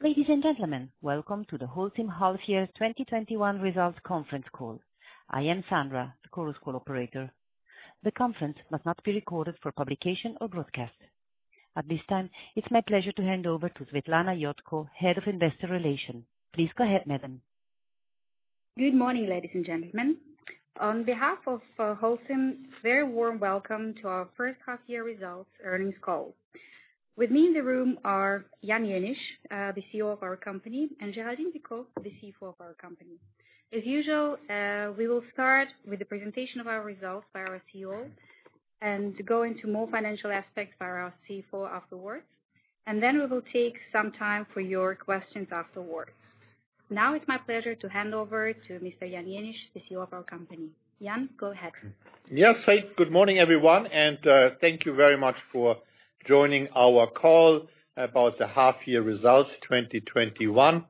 Ladies and gentlemen, welcome to the Holcim Half Year 2021 Results Conference Call. I am Sandra, the Chorus Call operator. The conference must not be recorded for publication or broadcast. At this time, it's my pleasure to hand over to Swetlana Iodko, Head of Investor Relations. Please go ahead, madam. Good morning, ladies and gentlemen. On behalf of Holcim, very warm welcome to our First Half Year Results Earnings Call. With me in the room are Jan Jenisch, the CEO of our company, and Géraldine Picaud, the CFO of our company. As usual, we will start with the presentation of our results by our CEO and go into more financial aspects by our CFO afterwards, and then we will take some time for your questions afterwards. Now it's my pleasure to hand over to Mr. Jan Jenisch, the CEO of our company. Jan, go ahead. Yes. Good morning, everyone, and thank you very much for joining our call about the half year results 2021.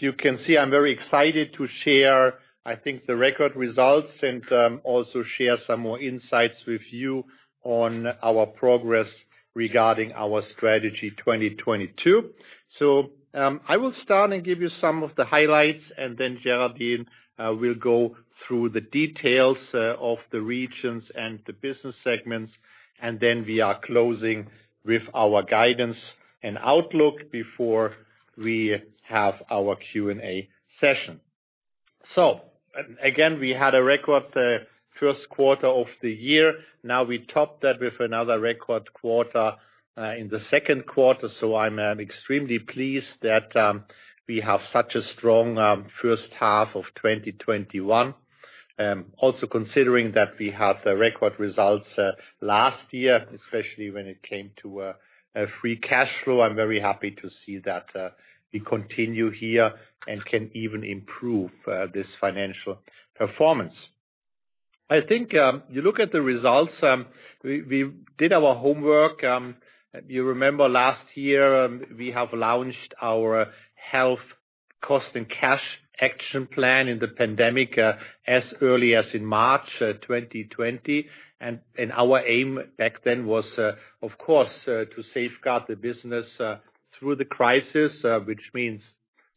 You can see I'm very excited to share, I think, the record results and also share some more insights with you on our progress regarding our Strategy 2022. I will start and give you some of the highlights. Géraldine will go through the details of the regions and the business segments. Then, we are closing with our guidance and outlook before we have our Q&A session. Again, we had a record first quarter of the year. Now we top that with another record quarter in the second quarter. I'm extremely pleased that we have such a strong first half of 2021. Also considering that we have the record results last year, especially when it came to free cash flow. I'm very happy to see that we continue here and can even improve this financial performance. I think you look at the results. We did our homework. You remember last year, we have launched our HEALTH, COST & CASH action plan in the pandemic as early as in March 2020. Our aim back then was, of course, to safeguard the business through the crisis, which means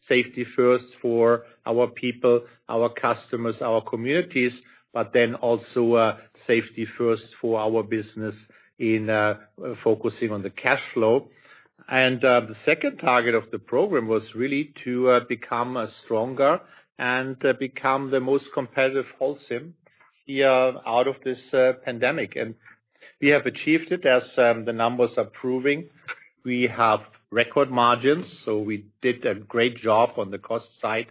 safety first for our people, our customers, our communities, but then also safety first for our business in focusing on the cash flow. The second target of the program was really to become stronger and become the most competitive Holcim here out of this pandemic. We have achieved it, as the numbers are proving. We have record margins, so we did a great job on the cost side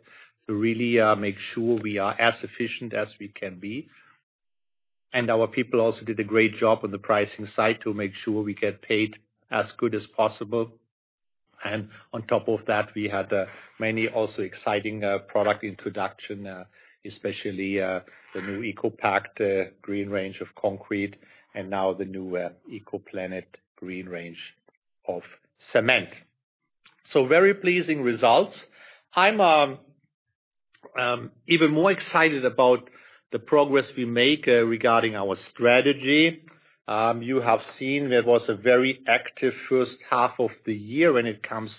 to really make sure we are as efficient as we can be. Our people also did a great job on the pricing side to make sure we get paid as good as possible. On top of that, we had many also exciting product introduction, especially the new ECOPact green range of concrete and now the new ECOPlanet green range of cement. Very pleasing results. I'm even more excited about the progress we make regarding our strategy. You have seen there was a very active first half of the year when it comes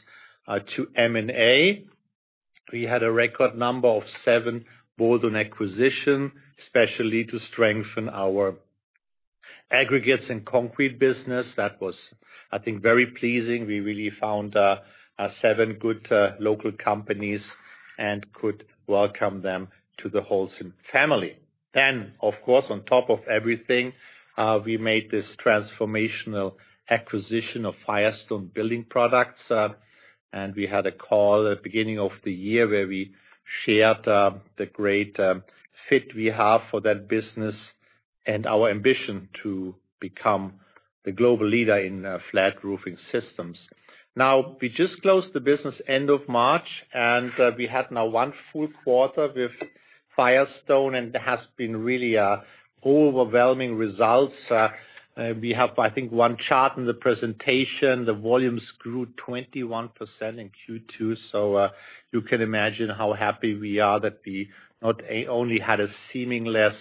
to M&A. We had a record number of seven bolt-on acquisition, especially to strengthen our aggregates and concrete business. That was, I think, very pleasing. We really found seven good local companies and could welcome them to the Holcim family. Of course, on top of everything, we made this transformational acquisition of Firestone Building Products. We had a call at beginning of the year where we shared the great fit we have for that business and our ambition to become the global leader in flat roofing systems. Now we just closed the business end of March, and we had now one full quarter with Firestone, and it has been really overwhelming results. We have, I think, one chart in the presentation. The volumes grew 21% in Q2. You can imagine how happy we are that we not only had a seamless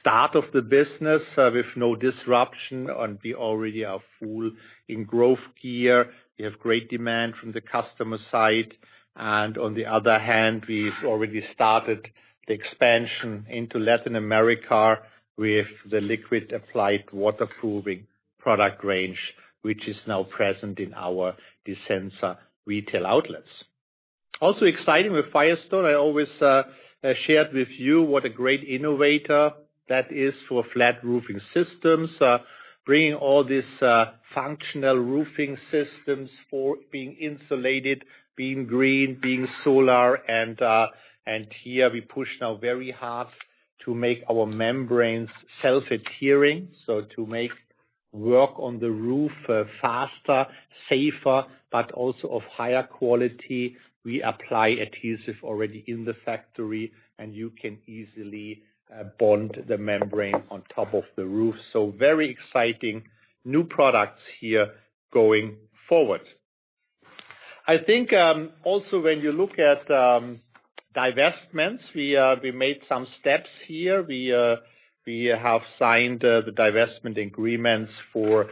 start of the business with no disruption, and we already are full in growth here. We have great demand from the customer side. On the other hand, we've already started the expansion into Latin America with the liquid applied waterproofing product range, which is now present in our Disensa retail outlets. Exciting with Firestone, I always shared with you what a great innovator that is for flat roofing systems, bringing all these functional roofing systems for being insulated, being green, being solar. Here we push now very hard to make our membranes self-adhering, to make work on the roof faster, safer, but also of higher quality. We apply adhesive already in the factory, you can easily bond the membrane on top of the roof. Very exciting new products here going forward. I think also when you look at divestments, we made some steps here. We have signed the divestment agreements for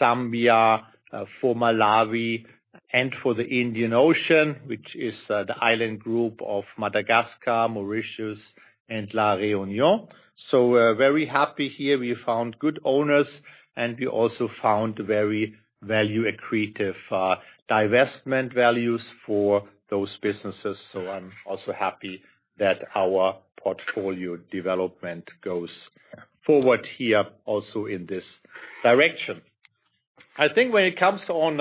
Zambia, for Malawi, and for the Indian Ocean, which is the island group of Madagascar, Mauritius, and La Reunion. We're very happy here. We found good owners, we also found very value-accretive divestment values for those businesses. I'm also happy that our portfolio development goes forward here also in this direction. I think when it comes on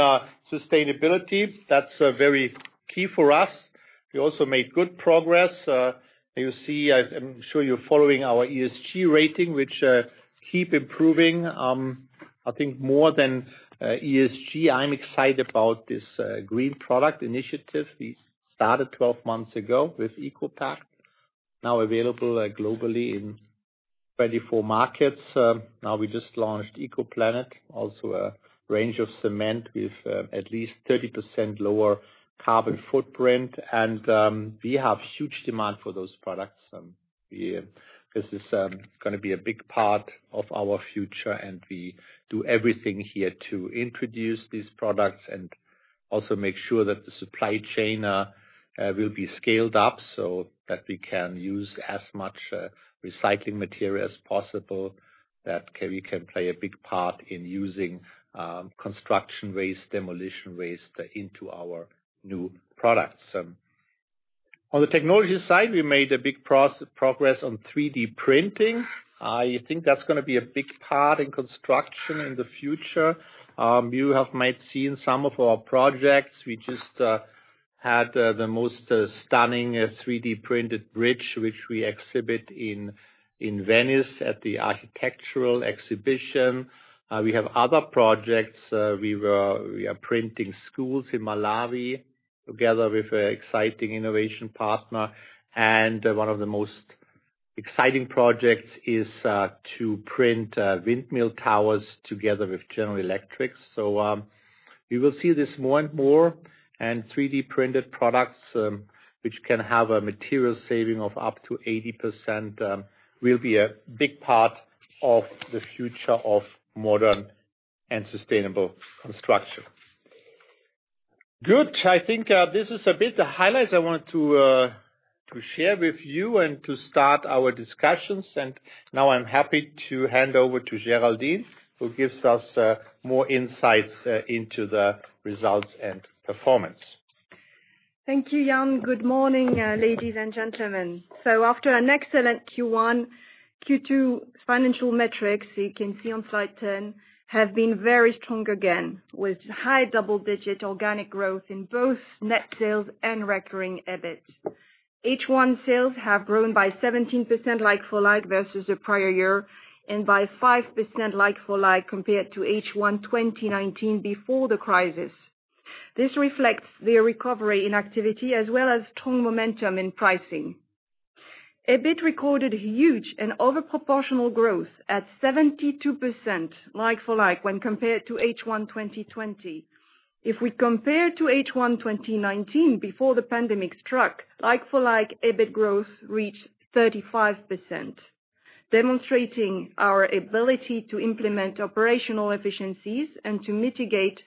sustainability, that's very key for us. We also made good progress. I'm sure you're following our ESG rating, which keep improving. I think more than ESG, I'm excited about this green product initiative we started 12 months ago with ECOPact, now available globally in 24 markets. Now we just launched ECOPlanet, also a range of cement with at least 30% lower carbon footprint. We have huge demand for those products. This is going to be a big part of our future, and we do everything here to introduce these products and also make sure that the supply chain will be scaled up so that we can use as much recycling material as possible, that we can play a big part in using construction waste, demolition waste into our new products. On the technology side, we made a big progress on 3D printing. I think that's going to be a big part in construction in the future. You have might seen some of our projects. We just had the most stunning 3D-printed bridge, which we exhibit in Venice at the architectural exhibition. We have other projects. We are printing schools in Malawi together with an exciting innovation partner, and one of the most exciting projects is to print windmill towers together with General Electric. You will see this more and more, and 3D-printed products, which can have a material saving of up to 80%, will be a big part of the future of modern and sustainable construction. Good. I think this is a bit the highlights I wanted to share with you and to start our discussions. Now I'm happy to hand over to Géraldine, who gives us more insights into the results and performance. Thank you, Jan. Good morning, ladies and gentlemen. After an excellent Q1, Q2 financial metrics, you can see on slide 10, have been very strong again, with high double-digit organic growth in both net sales and recurring EBIT. H1 sales have grown by 17% like-for-like versus the prior year, and by 5% like-for-like compared to H1 2019 before the crisis. This reflects the recovery in activity, as well as strong momentum in pricing. EBIT recorded huge and overproportional growth at 72% like-for-like when compared to H1 2020. If we compare to H1 2019 before the pandemic struck, like-for-like, EBIT growth reached 35%, demonstrating our ability to implement operational efficiencies and to mitigate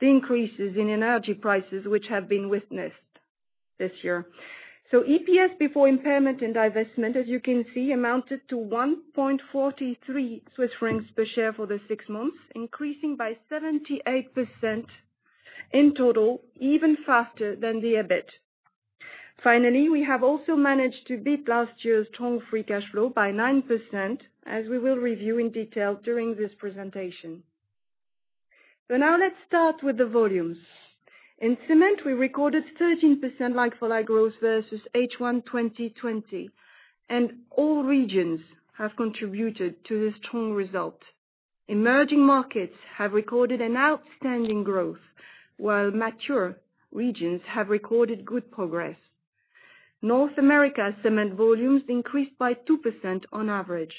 the increases in energy prices which have been witnessed this year. EPS before impairment and divestment, as you can see, amounted to 1.43 Swiss francs per share for the six months, increasing by 78% in total, even faster than the EBIT. Finally, we have also managed to beat last year's strong free cash flow by 9%, as we will review in detail during this presentation. Now let's start with the volumes. In cement, we recorded 13% like-for-like growth versus H1 2020, and all regions have contributed to the strong result. Emerging markets have recorded an outstanding growth, while mature regions have recorded good progress. North America cement volumes increased by 2% on average.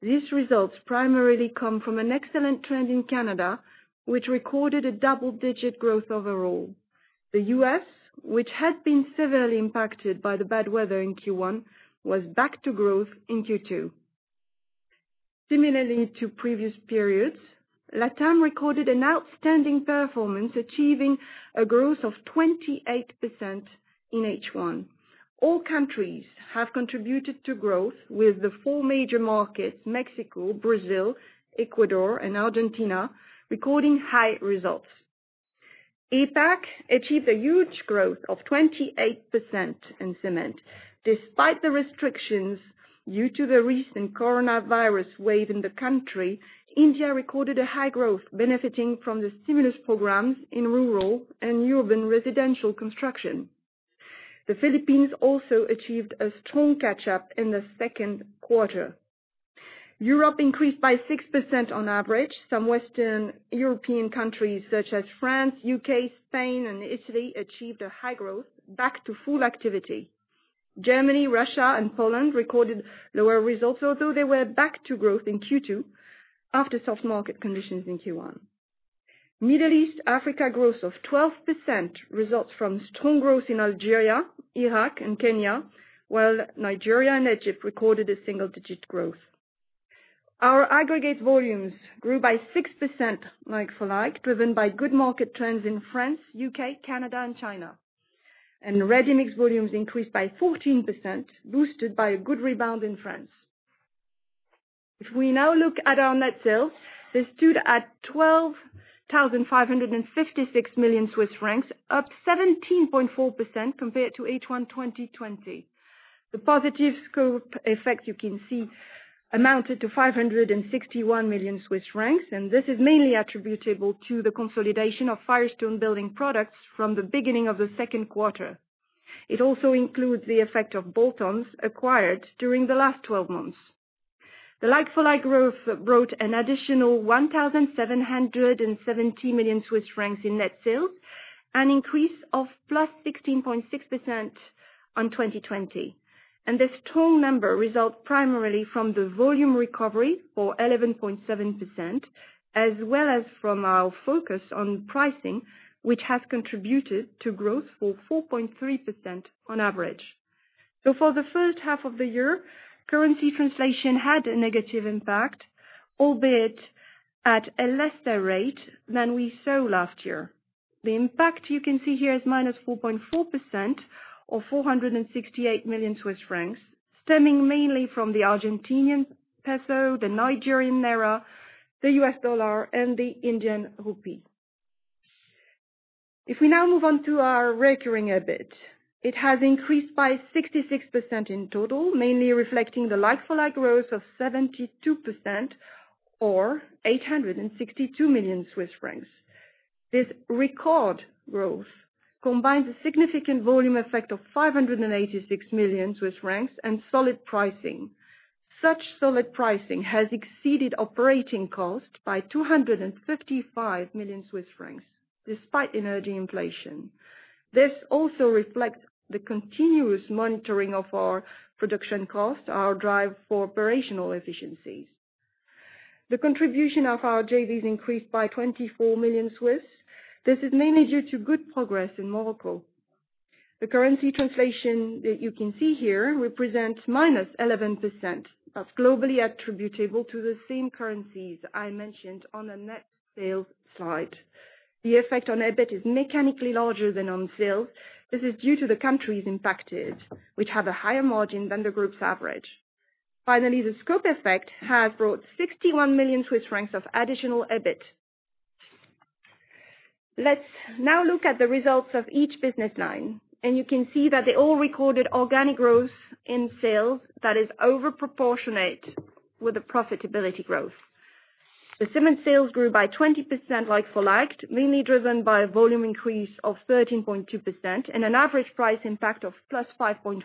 These results primarily come from an excellent trend in Canada, which recorded a double-digit growth overall. The U.S., which had been severely impacted by the bad weather in Q1, was back to growth in Q2. Similarly to previous periods, LATAM recorded an outstanding performance, achieving a growth of 28% in H1. All countries have contributed to growth with the four major markets, Mexico, Brazil, Ecuador, and Argentina, recording high results. APAC achieved a huge growth of 28% in cement. Despite the restrictions due to the recent coronavirus wave in the country, India recorded a high growth benefiting from the stimulus programs in rural and urban residential construction. The Philippines also achieved a strong catch-up in the second quarter. Europe increased by 6% on average. Some Western European countries such as France, U.K., Spain, and Italy achieved a high growth back to full activity. Germany, Russia, and Poland recorded lower results, although they were back to growth in Q2 after soft market conditions in Q1. Middle East, Africa growth of 12% results from strong growth in Algeria, Iraq, and Kenya, while Nigeria and Egypt recorded a single-digit growth. Our aggregate volumes grew by 6% like-for-like, driven by good market trends in France, U.K., Canada, and China. Ready-Mix volumes increased by 14%, boosted by a good rebound in France. If we now look at our net sales, they stood at 12,556 million Swiss francs, up 17.4% compared to H1 2020. The positive scope effect you can see amounted to 561 million Swiss francs, and this is mainly attributable to the consolidation of Firestone Building Products from the beginning of the second quarter. It also includes the effect of bolt-ons acquired during the last 12 months. The like-for-like growth brought an additional 1,770 million Swiss francs in net sales, an increase of +16.6% on 2020. This strong number results primarily from the volume recovery for 11.7%, as well as from our focus on pricing, which has contributed to growth for 4.3% on average. For the first half of the year, currency translation had a negative impact, albeit at a lesser rate than we saw last year. The impact you can see here is -4.4%, or 468 million Swiss francs, stemming mainly from the Argentinian peso, the Nigerian naira, the U.S. dollar, and the Indian rupee. If we now move on to our Recurring EBIT, it has increased by 66% in total, mainly reflecting the like-for-like growth of 72%, or 862 million Swiss francs. This record growth combines a significant volume effect of 586 million Swiss francs and solid pricing. Such solid pricing has exceeded operating costs by 255 million Swiss francs, despite energy inflation. This also reflects the continuous monitoring of our production cost, our drive for operational efficiencies. The contribution of our JVs increased by 24 million. This is mainly due to good progress in Morocco. The currency translation that you can see here represents -11%, that's globally attributable to the same currencies I mentioned on the net sales slide. The effect on EBIT is mechanically larger than on sales. This is due to the countries impacted, which have a higher margin than the group's average. Finally, the scope effect has brought 61 million Swiss francs of additional EBIT. Let's now look at the results of each business line, and you can see that they all recorded organic growth in sales that is overproportionate with the profitability growth. The cement sales grew by 20% like-for-like, mainly driven by a volume increase of 13.2% and an average price impact of +5.5%.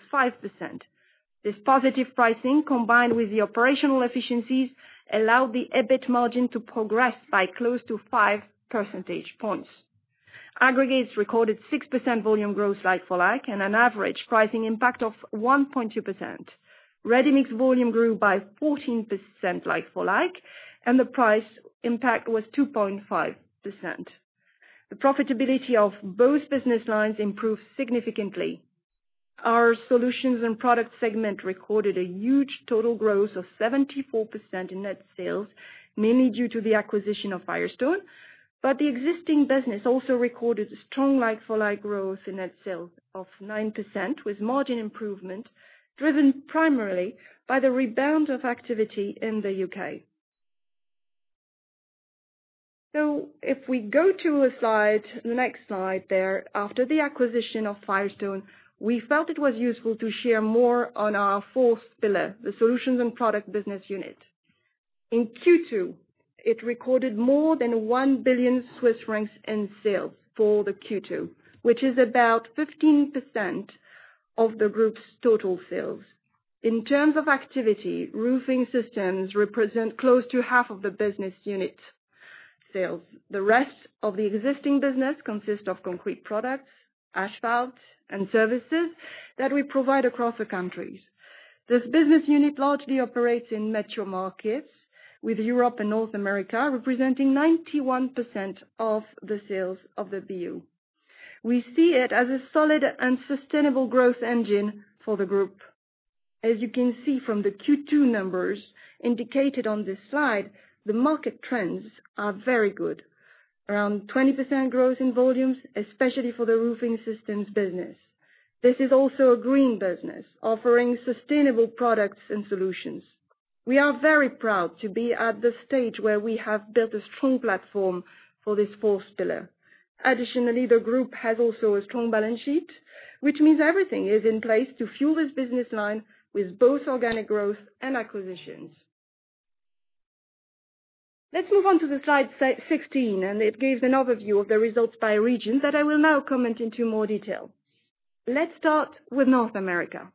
This positive pricing, combined with the operational efficiencies, allowed the EBIT margin to progress by close to five percentage points. Aggregates recorded 6% volume growth like-for-like and an average pricing impact of 1.2%. Ready-Mix volume grew by 14% like-for-like, and the price impact was 2.5%. The profitability of both business lines improved significantly. Our solutions and product segment recorded a huge total growth of 74% in net sales, mainly due to the acquisition of Firestone. The existing business also recorded a strong like-for-like growth in net sales of 9%, with margin improvement driven primarily by the rebound of activity in the U.K. If we go to the next slide there, after the acquisition of Firestone, we felt it was useful to share more on our fourth pillar, the solutions and product business unit. In Q2, it recorded more than 1 billion Swiss francs in sales for the Q2, which is about 15% of the group's total sales. In terms of activity, roofing systems represent close to half of the business unit sales. The rest of the existing business consists of concrete products, asphalt, and services that we provide across the countries. This business unit largely operates in metro markets with Europe and North America representing 91% of the sales of the BU. We see it as a solid and sustainable growth engine for the group. As you can see from the Q2 numbers indicated on this slide, the market trends are very good, around 20% growth in volumes, especially for the roofing systems business. This is also a green business offering sustainable products and solutions. We are very proud to be at the stage where we have built a strong platform for this fourth pillar. Additionally, the group has also a strong balance sheet, which means everything is in place to fuel this business line with both organic growth and acquisitions. Let's move on to the slide 16. It gives an overview of the results by region that I will now comment into more detail. Let's start with North America.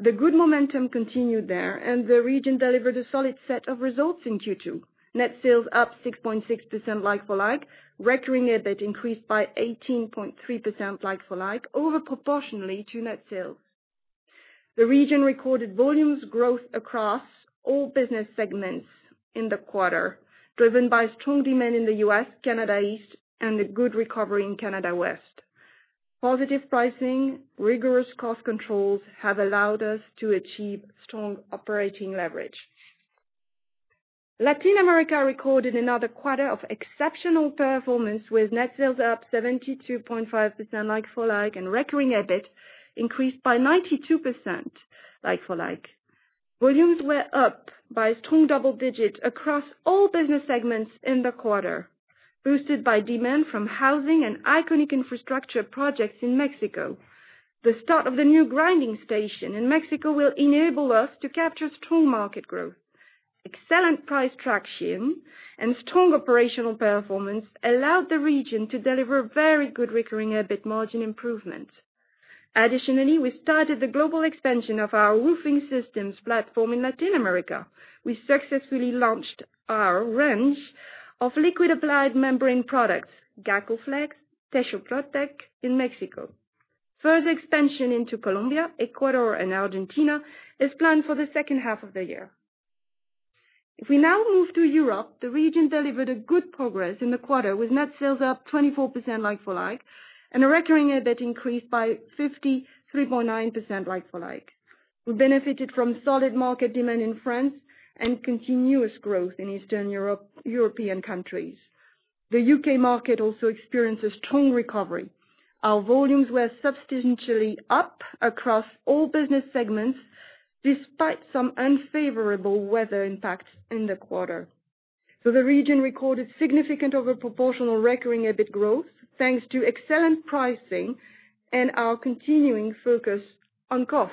The good momentum continued there, and the region delivered a solid set of results in Q2. Net sales up 6.6% like-for-like. Recurring EBIT increased by 18.3% like-for-like, over proportionally to net sales. The region recorded volumes growth across all business segments in the quarter, driven by strong demand in the U.S., Canada East, and a good recovery in Canada West. Positive pricing, rigorous cost controls have allowed us to achieve strong operating leverage. Latin America recorded another quarter of exceptional performance with net sales up 72.5% like-for-like and recurring EBIT increased by 92% like-for-like. Volumes were up by strong double digits across all business segments in the quarter, boosted by demand from housing and iconic infrastructure projects in Mexico. The start of the new grinding station in Mexico will enable us to capture strong market growth. Excellent price traction and strong operational performance allowed the region to deliver very good recurring EBIT margin improvement. Additionally, we started the global expansion of our roofing systems platform in Latin America. We successfully launched our range of liquid applied membrane products, GacoFlex, TechoProtec, in Mexico. Further expansion into Colombia, Ecuador, and Argentina is planned for the second half of the year. If we now move to Europe, the region delivered a good progress in the quarter with net sales up 24% like-for-like, and a recurring EBIT increased by 53.9% like-for-like. We benefited from solid market demand in France and continuous growth in Eastern European countries. The U.K. market also experienced a strong recovery. Our volumes were substantially up across all business segments, despite some unfavorable weather impacts in the quarter. The region recorded significant over-proportional recurring EBIT growth, thanks to excellent pricing and our continuing focus on cost.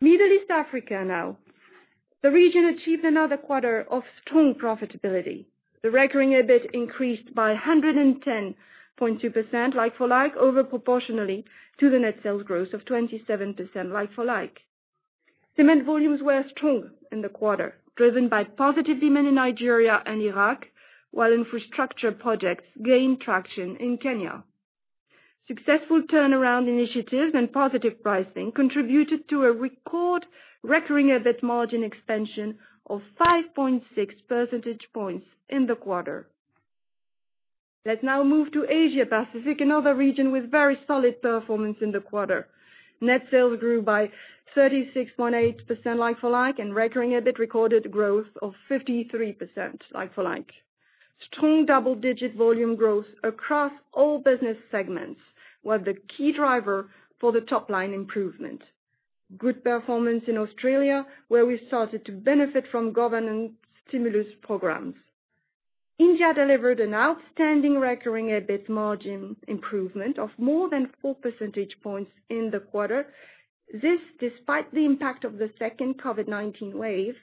Middle East Africa now. The region achieved another quarter of strong profitability. The Recurring EBIT increased by 110.2% like-for-like, over-proportionally to the net sales growth of 27% like-for-like. Cement volumes were strong in the quarter, driven by positive demand in Nigeria and Iraq, while infrastructure projects gained traction in Kenya. Successful turnaround initiatives and positive pricing contributed to a record recurring EBIT margin expansion of 5.6 percentage points in the quarter. Let's now move to Asia Pacific, another region with very solid performance in the quarter. Net sales grew by 36.8% like-for-like, and recurring EBIT recorded growth of 53% like-for-like. Strong double-digit volume growth across all business segments was the key driver for the top-line improvement. Good performance in Australia, where we started to benefit from government stimulus programs. India delivered an outstanding recurring EBIT margin improvement of more than four percentage points in the quarter. This despite the impact of the second COVID-19 wave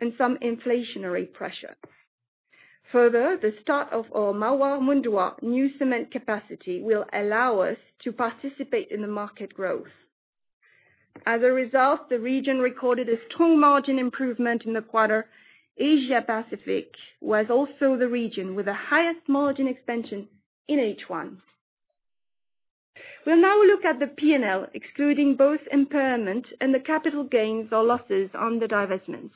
and some inflationary pressure. Further, the start of our Marwar Mundwa new cement capacity will allow us to participate in the market growth. As a result, the region recorded a strong margin improvement in the quarter. Asia Pacific was also the region with the highest margin expansion in H1. We'll now look at the P&L, excluding both impairment and the capital gains or losses on the divestments.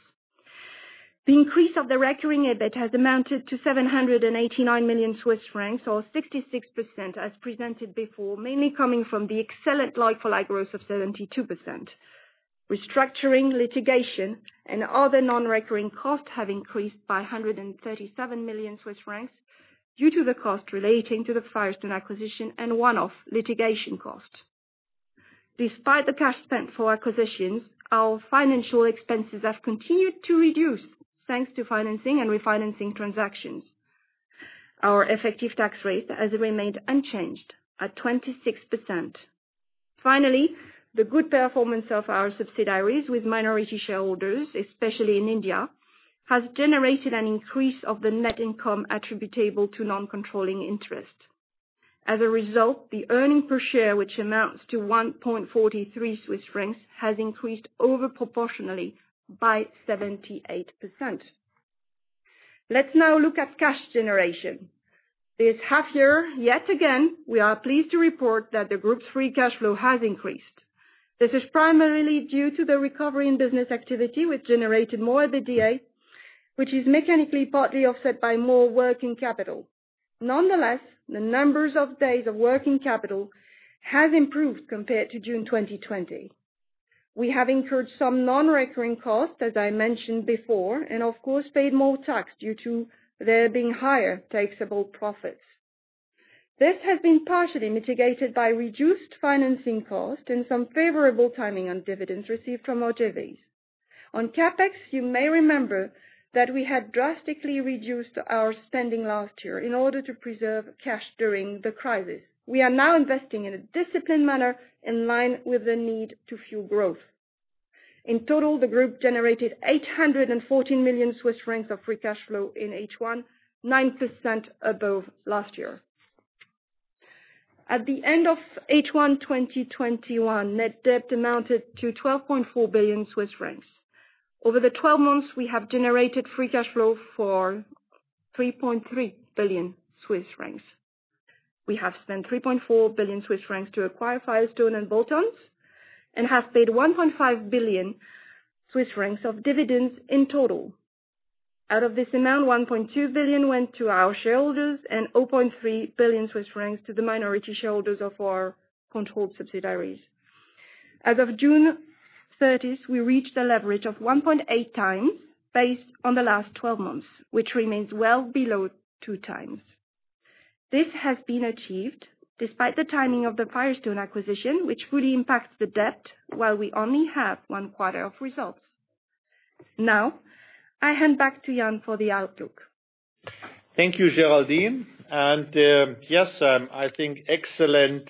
The increase of the recurring EBIT has amounted to 789 million Swiss francs or 66% as presented before, mainly coming from the excellent like-for-like growth of 72%. Restructuring, litigation, and other non-recurring costs have increased by 137 million Swiss francs due to the cost relating to the Firestone acquisition and one-off litigation cost. Despite the cash spent for acquisitions, our financial expenses have continued to reduce thanks to financing and refinancing transactions. Our effective tax rate has remained unchanged at 26%. Finally, the good performance of our subsidiaries with minority shareholders, especially in India, has generated an increase of the net income attributable to non-controlling interest. As a result, the earnings per share, which amounts to 1.43 Swiss francs, has increased over proportionally by 78%. Let's now look at cash generation. This half year, yet again, we are pleased to report that the group's free cash flow has increased. This is primarily due to the recovery in business activity, which generated more EBITDA, which is mechanically partly offset by more working capital. Nonetheless, the numbers of days of working capital have improved compared to June 2020. We have incurred some non-recurring costs, as I mentioned before, and of course, paid more tax due to there being higher taxable profits. This has been partially mitigated by reduced financing cost and some favorable timing on dividends received from JVs. On CapEx, you may remember that we had drastically reduced our spending last year in order to preserve cash during the crisis. We are now investing in a disciplined manner in line with the need to fuel growth. In total, the group generated 814 million Swiss francs of free cash flow in H1, 9% above last year. At the end of H1 2021, net debt amounted to 12.4 billion Swiss francs. Over the 12 months, we have generated free cash flow for 3.3 billion Swiss francs. We have spent 3.4 billion Swiss francs to acquire Firestone and bolt-ons, and have paid 1.5 billion Swiss francs of dividends in total. Out of this amount, 1.2 billion went to our shareholders and 0.3 billion Swiss francs to the minority shareholders of our controlled subsidiaries. As of June 30th, we reached a leverage of 1.8x based on the last 12 months, which remains well below 2x. This has been achieved despite the timing of the Firestone acquisition, which fully impacts the debt while we only have one quarter of results. Now, I hand back to Jan for the outlook. Thank you, Géraldine. Yes, I think excellent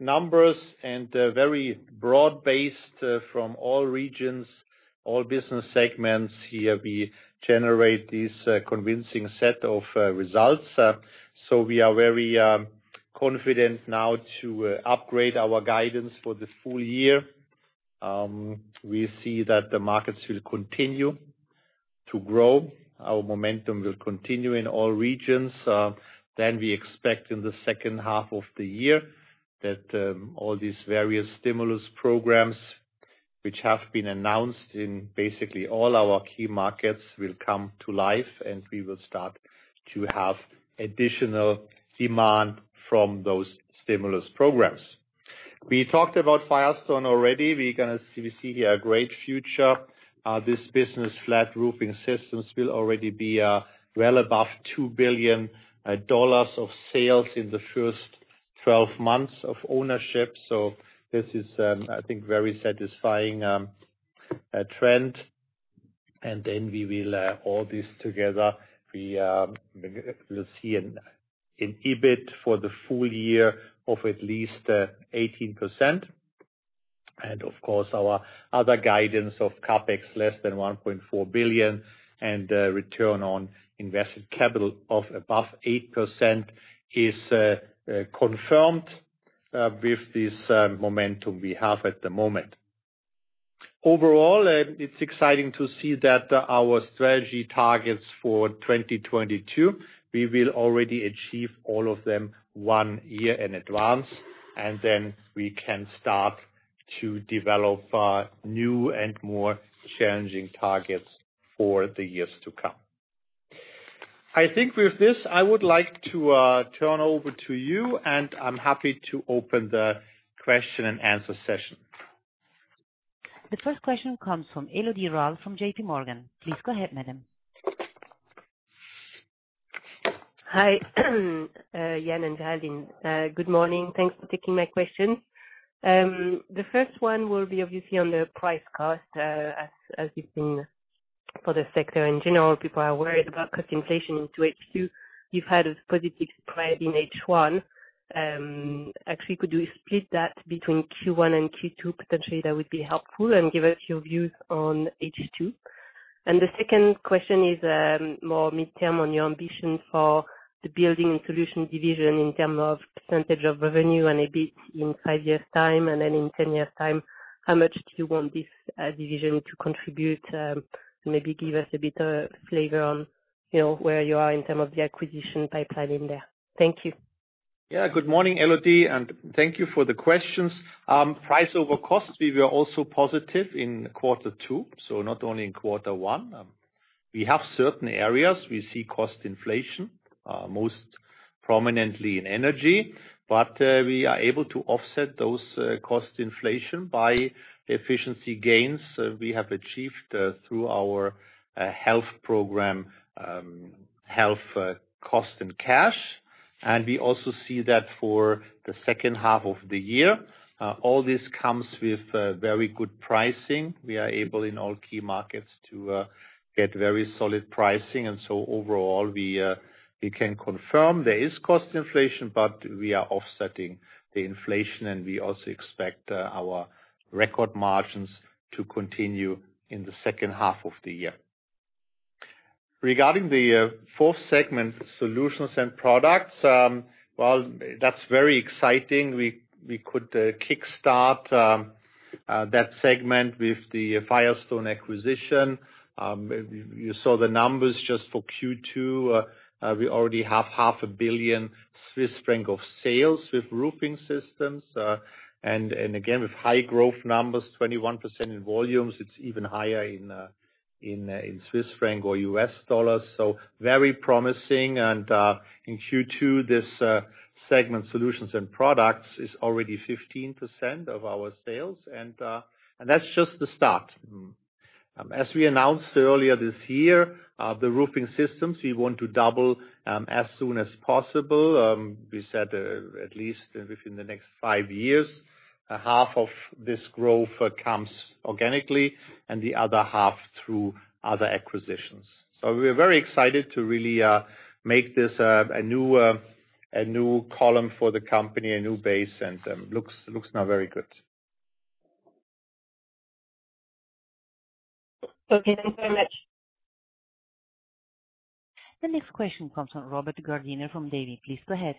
numbers and very broad-based from all regions, all business segments. Here we generate this convincing set of results. We are very confident now to upgrade our guidance for this full year. We see that the markets will continue to grow. Our momentum will continue in all regions. We expect in the second half of the year that all these various stimulus programs, which have been announced in basically all our key markets, will come to life, and we will start to have additional demand from those stimulus programs. We talked about Firestone already. We see here a great future. This business, Flat Roofing Systems, will already be well above $2 billion of sales in the first 12 months of ownership. This is, I think, a very satisfying trend. We will, all this together, we will see an EBIT for the full year of at least 18%. Of course, our other guidance of CapEx less than 1.4 billion and a return on invested capital of above 8% is confirmed with this momentum we have at the moment. Overall, it's exciting to see that our strategy targets for 2022, we will already achieve all of them one year in advance, and then we can start to develop new and more challenging targets for the years to come. I think with this, I would like to turn over to you, and I am happy to open the question and answer session. The first question comes from Elodie Rall from JPMorgan. Please go ahead, madam. Hi, Jan and Géraldine. Good morning. Thanks for taking my questions. The first one will be obviously on the price cost. As we've seen for the sector in general, people are worried about cost inflation into H2. You've had a positive spread in H1. Actually, could you split that between Q1 and Q2? Potentially, that would be helpful, and give us your views on H2. The second question is more midterm on your ambition for the building and solution division in terms of percentage of revenue and EBIT in five years time, and then in 10 years time, how much do you want this division to contribute? Maybe give us a bit of flavor on where you are in term of the acquisition pipeline there. Thank you. Good morning, Elodie, and thank you for the questions. Price over costs, we were also positive in quarter two, not only in quarter one. We have certain areas we see cost inflation, most prominently in energy. We are able to offset those cost inflation by efficiency gains we have achieved through our health program, HEALTH, COST & CASH. We also see that for the second half of the year. All this comes with very good pricing. We are able in all key markets to get very solid pricing. Overall, we can confirm there is cost inflation, we are offsetting the inflation, we also expect our record margins to continue in the second half of the year. Regarding the fourth segment, solutions and products, well, that's very exciting. We could kickstart that segment with the Firestone acquisition. You saw the numbers just for Q2. We already have half a billion Swiss francs of sales with roofing systems. Again, with high growth numbers, 21% in volumes, it's even higher in Swiss francs or U.S. dollars. Very promising, and in Q2, this segment, solutions and products, is already 15% of our sales. That's just the start. As we announced earlier this year, the roofing systems we want to double as soon as possible. We said at least within the next five years. Half of this growth comes organically and the other half through other acquisitions. We are very excited to really make this a new column for the company, a new base, and looks now very good. Okay, thanks very much. The next question comes from Robert Gardiner from Davy. Please go ahead.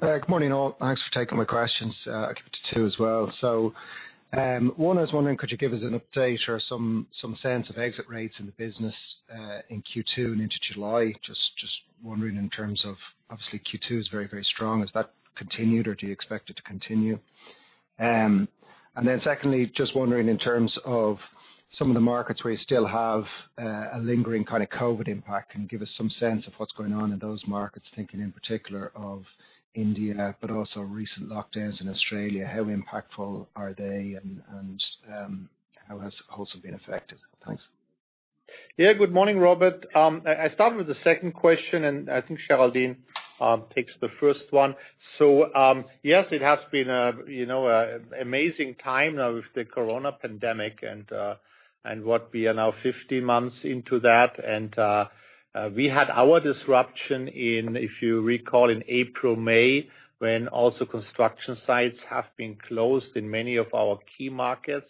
Good morning, all. Thanks for taking my questions. I'll keep it to two as well. One, I was wondering, could you give us an update or some sense of exit rates in the business, in Q2 and into July? Just wondering in terms of, obviously Q2 is very strong. Has that continued, or do you expect it to continue? Secondly, just wondering in terms of some of the markets where you still have a lingering COVID-19 impact, can you give us some sense of what's going on in those markets, thinking in particular of India, but also recent lockdowns in Australia, how impactful are they and how has Holcim been affected? Thanks. Yeah. Good morning, Robert. I'll start with the second question, and I think Géraldine takes the first one. Yes, it has been an amazing time now with the coronavirus pandemic, and what we are now 50 months into that, and we had our disruption in, if you recall, in April, May, when also construction sites have been closed in many of our key markets.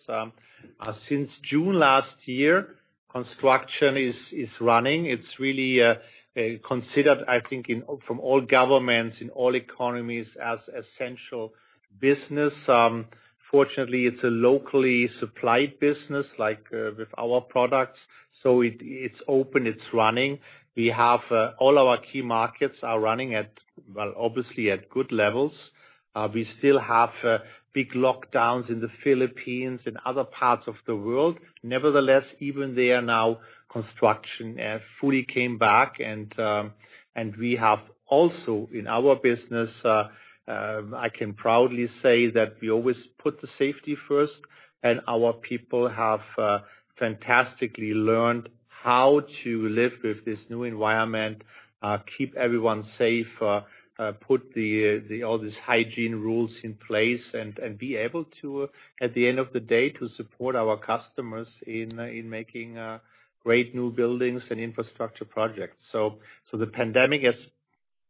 Since June last year, construction is running. It's really considered, I think from all governments, in all economies, as essential business. Fortunately, it's a locally supplied business with our products. It's open, it's running. All our key markets are running, well, obviously at good levels. We still have big lockdowns in the Philippines and other parts of the world. Nevertheless, even there now, construction fully came back and we have also in our business, I can proudly say that we always put the safety first and our people have fantastically learned how to live with this new environment, keep everyone safe, put all these hygiene rules in place, and be able to, at the end of the day, to support our customers in making great new buildings and infrastructure projects. The pandemic, as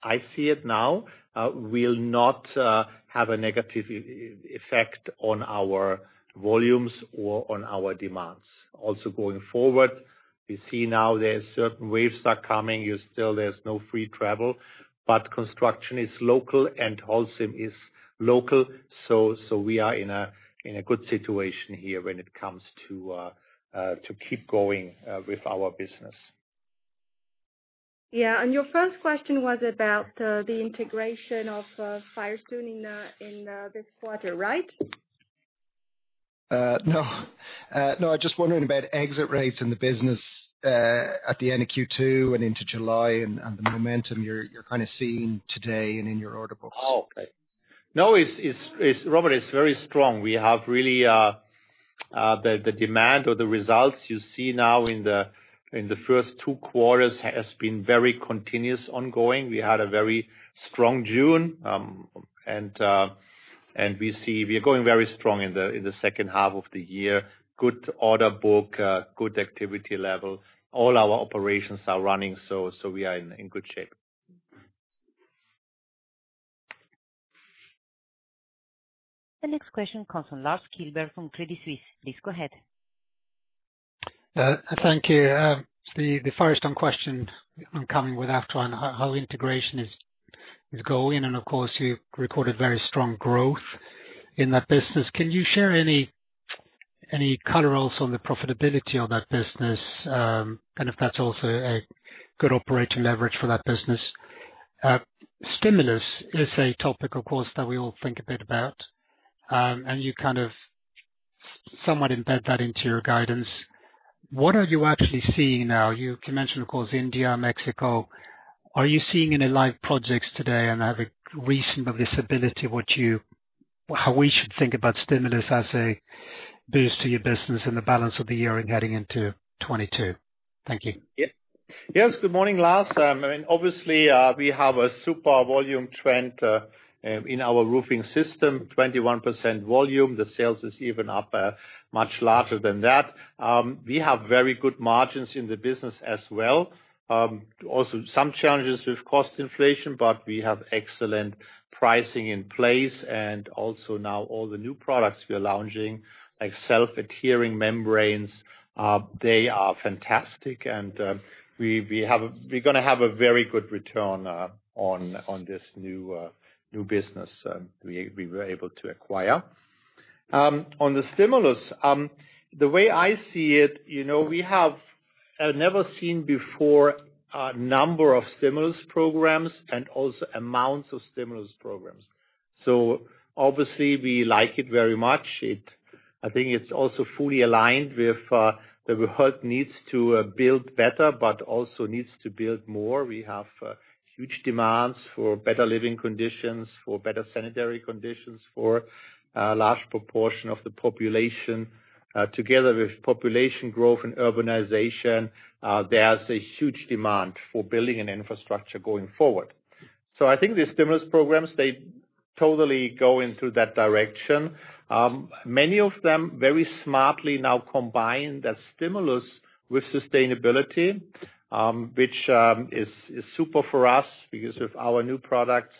I see it now, will not have a negative effect on our volumes or on our demands. Also going forward, we see now there are certain waves that are coming. Still there's no free travel, but construction is local and Holcim is local, so we are in a good situation here when it comes to keep going with our business. Yeah. Your first question was about the integration of Firestone in this quarter, right? No. I was just wondering about exit rates in the business, at the end of Q2 and into July, and the momentum you're seeing today and in your order book. Oh, okay. No, Robert, it's very strong. The demand or the results you see now in the first two quarters has been very continuous ongoing. We had a very strong June, and we are going very strong in the second half of the year. Good order book, good activity level. All our operations are running, so we are in good shape. The next question comes from Lars Kjellberg from Credit Suisse. Please go ahead. Thank you. The Firestone question I'm coming with after on how integration is going, and of course, you recorded very strong growth in that business. Can you share any color also on the profitability of that business? If that's also a good operating leverage for that business. Stimulus is a topic, of course, that we all think a bit about. You kind of somewhat embed that into your guidance. What are you actually seeing now? You mentioned, of course, India, Mexico. Are you seeing any live projects today and have visibility how we should think about stimulus as a boost to your business in the balance of the year and heading into 2022? Thank you. Yes. Good morning, Lars. Obviously, we have a super volume trend, in our roofing system, 21% volume. The sales is even up much larger than that. We have very good margins in the business as well. Also some challenges with cost inflation. We have excellent pricing in place. Also now all the new products we are launching, like self-adhering membranes, they are fantastic and we're going to have a very good return on this new business we were able to acquire. On the stimulus, the way I see it, we have a never-seen-before number of stimulus programs and also amounts of stimulus programs. Obviously we like it very much. I think it's also fully aligned with the world needs to build better, but also needs to build more. We have huge demands for better living conditions, for better sanitary conditions for a large proportion of the population, together with population growth and urbanization, there's a huge demand for building an infrastructure going forward. I think the stimulus programs, they totally go into that direction. Many of them very smartly now combine the stimulus with sustainability, which is super for us because with our new products,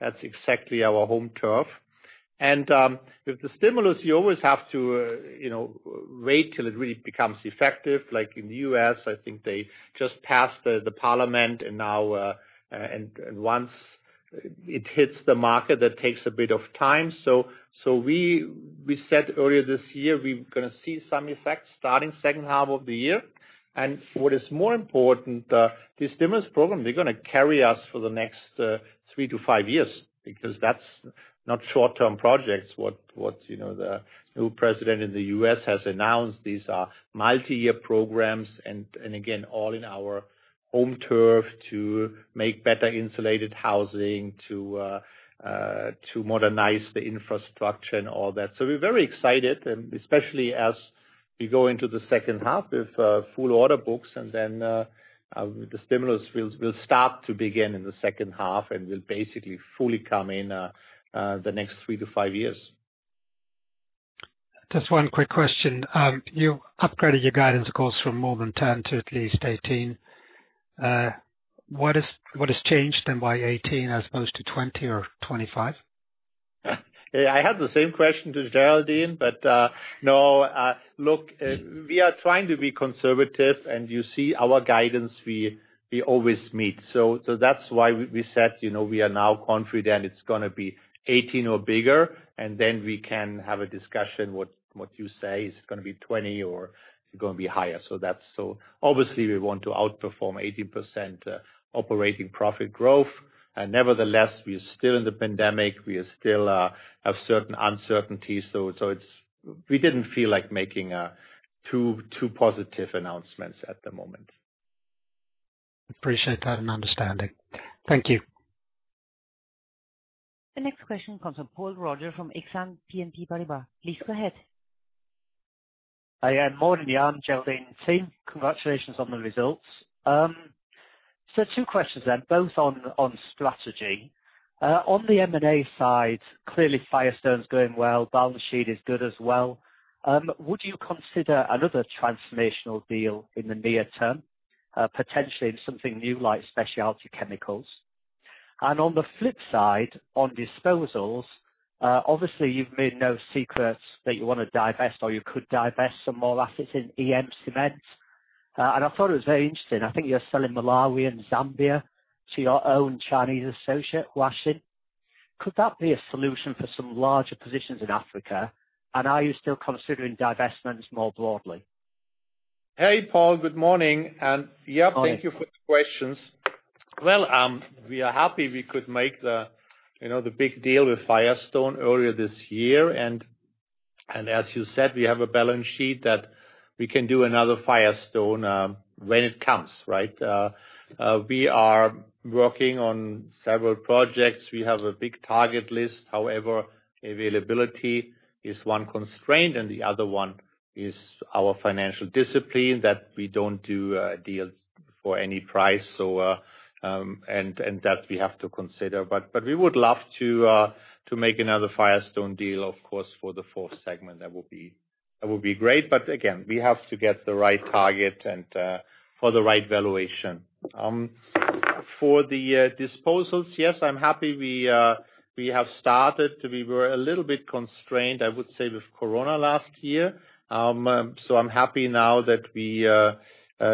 that's exactly our home turf. With the stimulus, you always have to wait till it really becomes effective. Like in the U.S., I think they just passed the parliament and once it hits the market, that takes a bit of time. We said earlier this year, we're going to see some effects starting second half of the year. What is more important, the stimulus program, they're going to carry us for the next three to five years because that's not short-term projects. What the new president in the U.S. has announced, these are multi-year programs and again, all in our home turf to make better insulated housing, to modernize the infrastructure and all that. We're very excited, especially as we go into the second half with full order books and then the stimulus will start to begin in the second half and will basically fully come in the next three to five years. Just one quick question. You upgraded your guidance, of course, from more than 10 to at least 18. What has changed and why 18 as opposed to 20 or 25? I had the same question to Géraldine, but no. Look, we are trying to be conservative and you see our guidance, we always meet. That's why we said we are now confident it's going to be 18 or bigger and then we can have a discussion what you say is going to be 20 or is it going to be higher. Obviously we want to outperform 18% operating profit growth and nevertheless, we are still in the pandemic. We still have certain uncertainties. We didn't feel like making two positive announcements at the moment. Appreciate that and understanding. Thank you. The next question comes from Paul Roger from Exane BNP Paribas. Please go ahead. Hi, yeah. Morning, Jan, Géraldine, team. Congratulations on the results. Two questions then, both on strategy. On the M&A side, clearly Firestone's going well, balance sheet is good as well. Would you consider another transformational deal in the near term, potentially in something new like specialty chemicals? On the flip side, on disposals, obviously you've made no secret that you want to divest or you could divest some more assets in [EM] Cement. I thought it was very interesting. I think you're selling Malawi and Zambia to your own Chinese associate, Huaxin. Could that be a solution for some larger positions in Africa? Are you still considering divestments more broadly? Hey, Paul. Good morning. Yeah, thank you for the questions. Well, we are happy we could make the big deal with Firestone earlier this year and as you said, we have a balance sheet that we can do another Firestone when it comes, right? We are working on several projects. We have a big target list. However, availability is one constraint and the other one is our financial discipline that we don't do deals for any price and that we have to consider. We would love to make another Firestone deal, of course, for the fourth segment. That would be great. Again, we have to get the right target and for the right valuation. For the disposals, yes, I'm happy we have started. We were a little bit constrained, I would say, with COVID-19 last year. I'm happy now that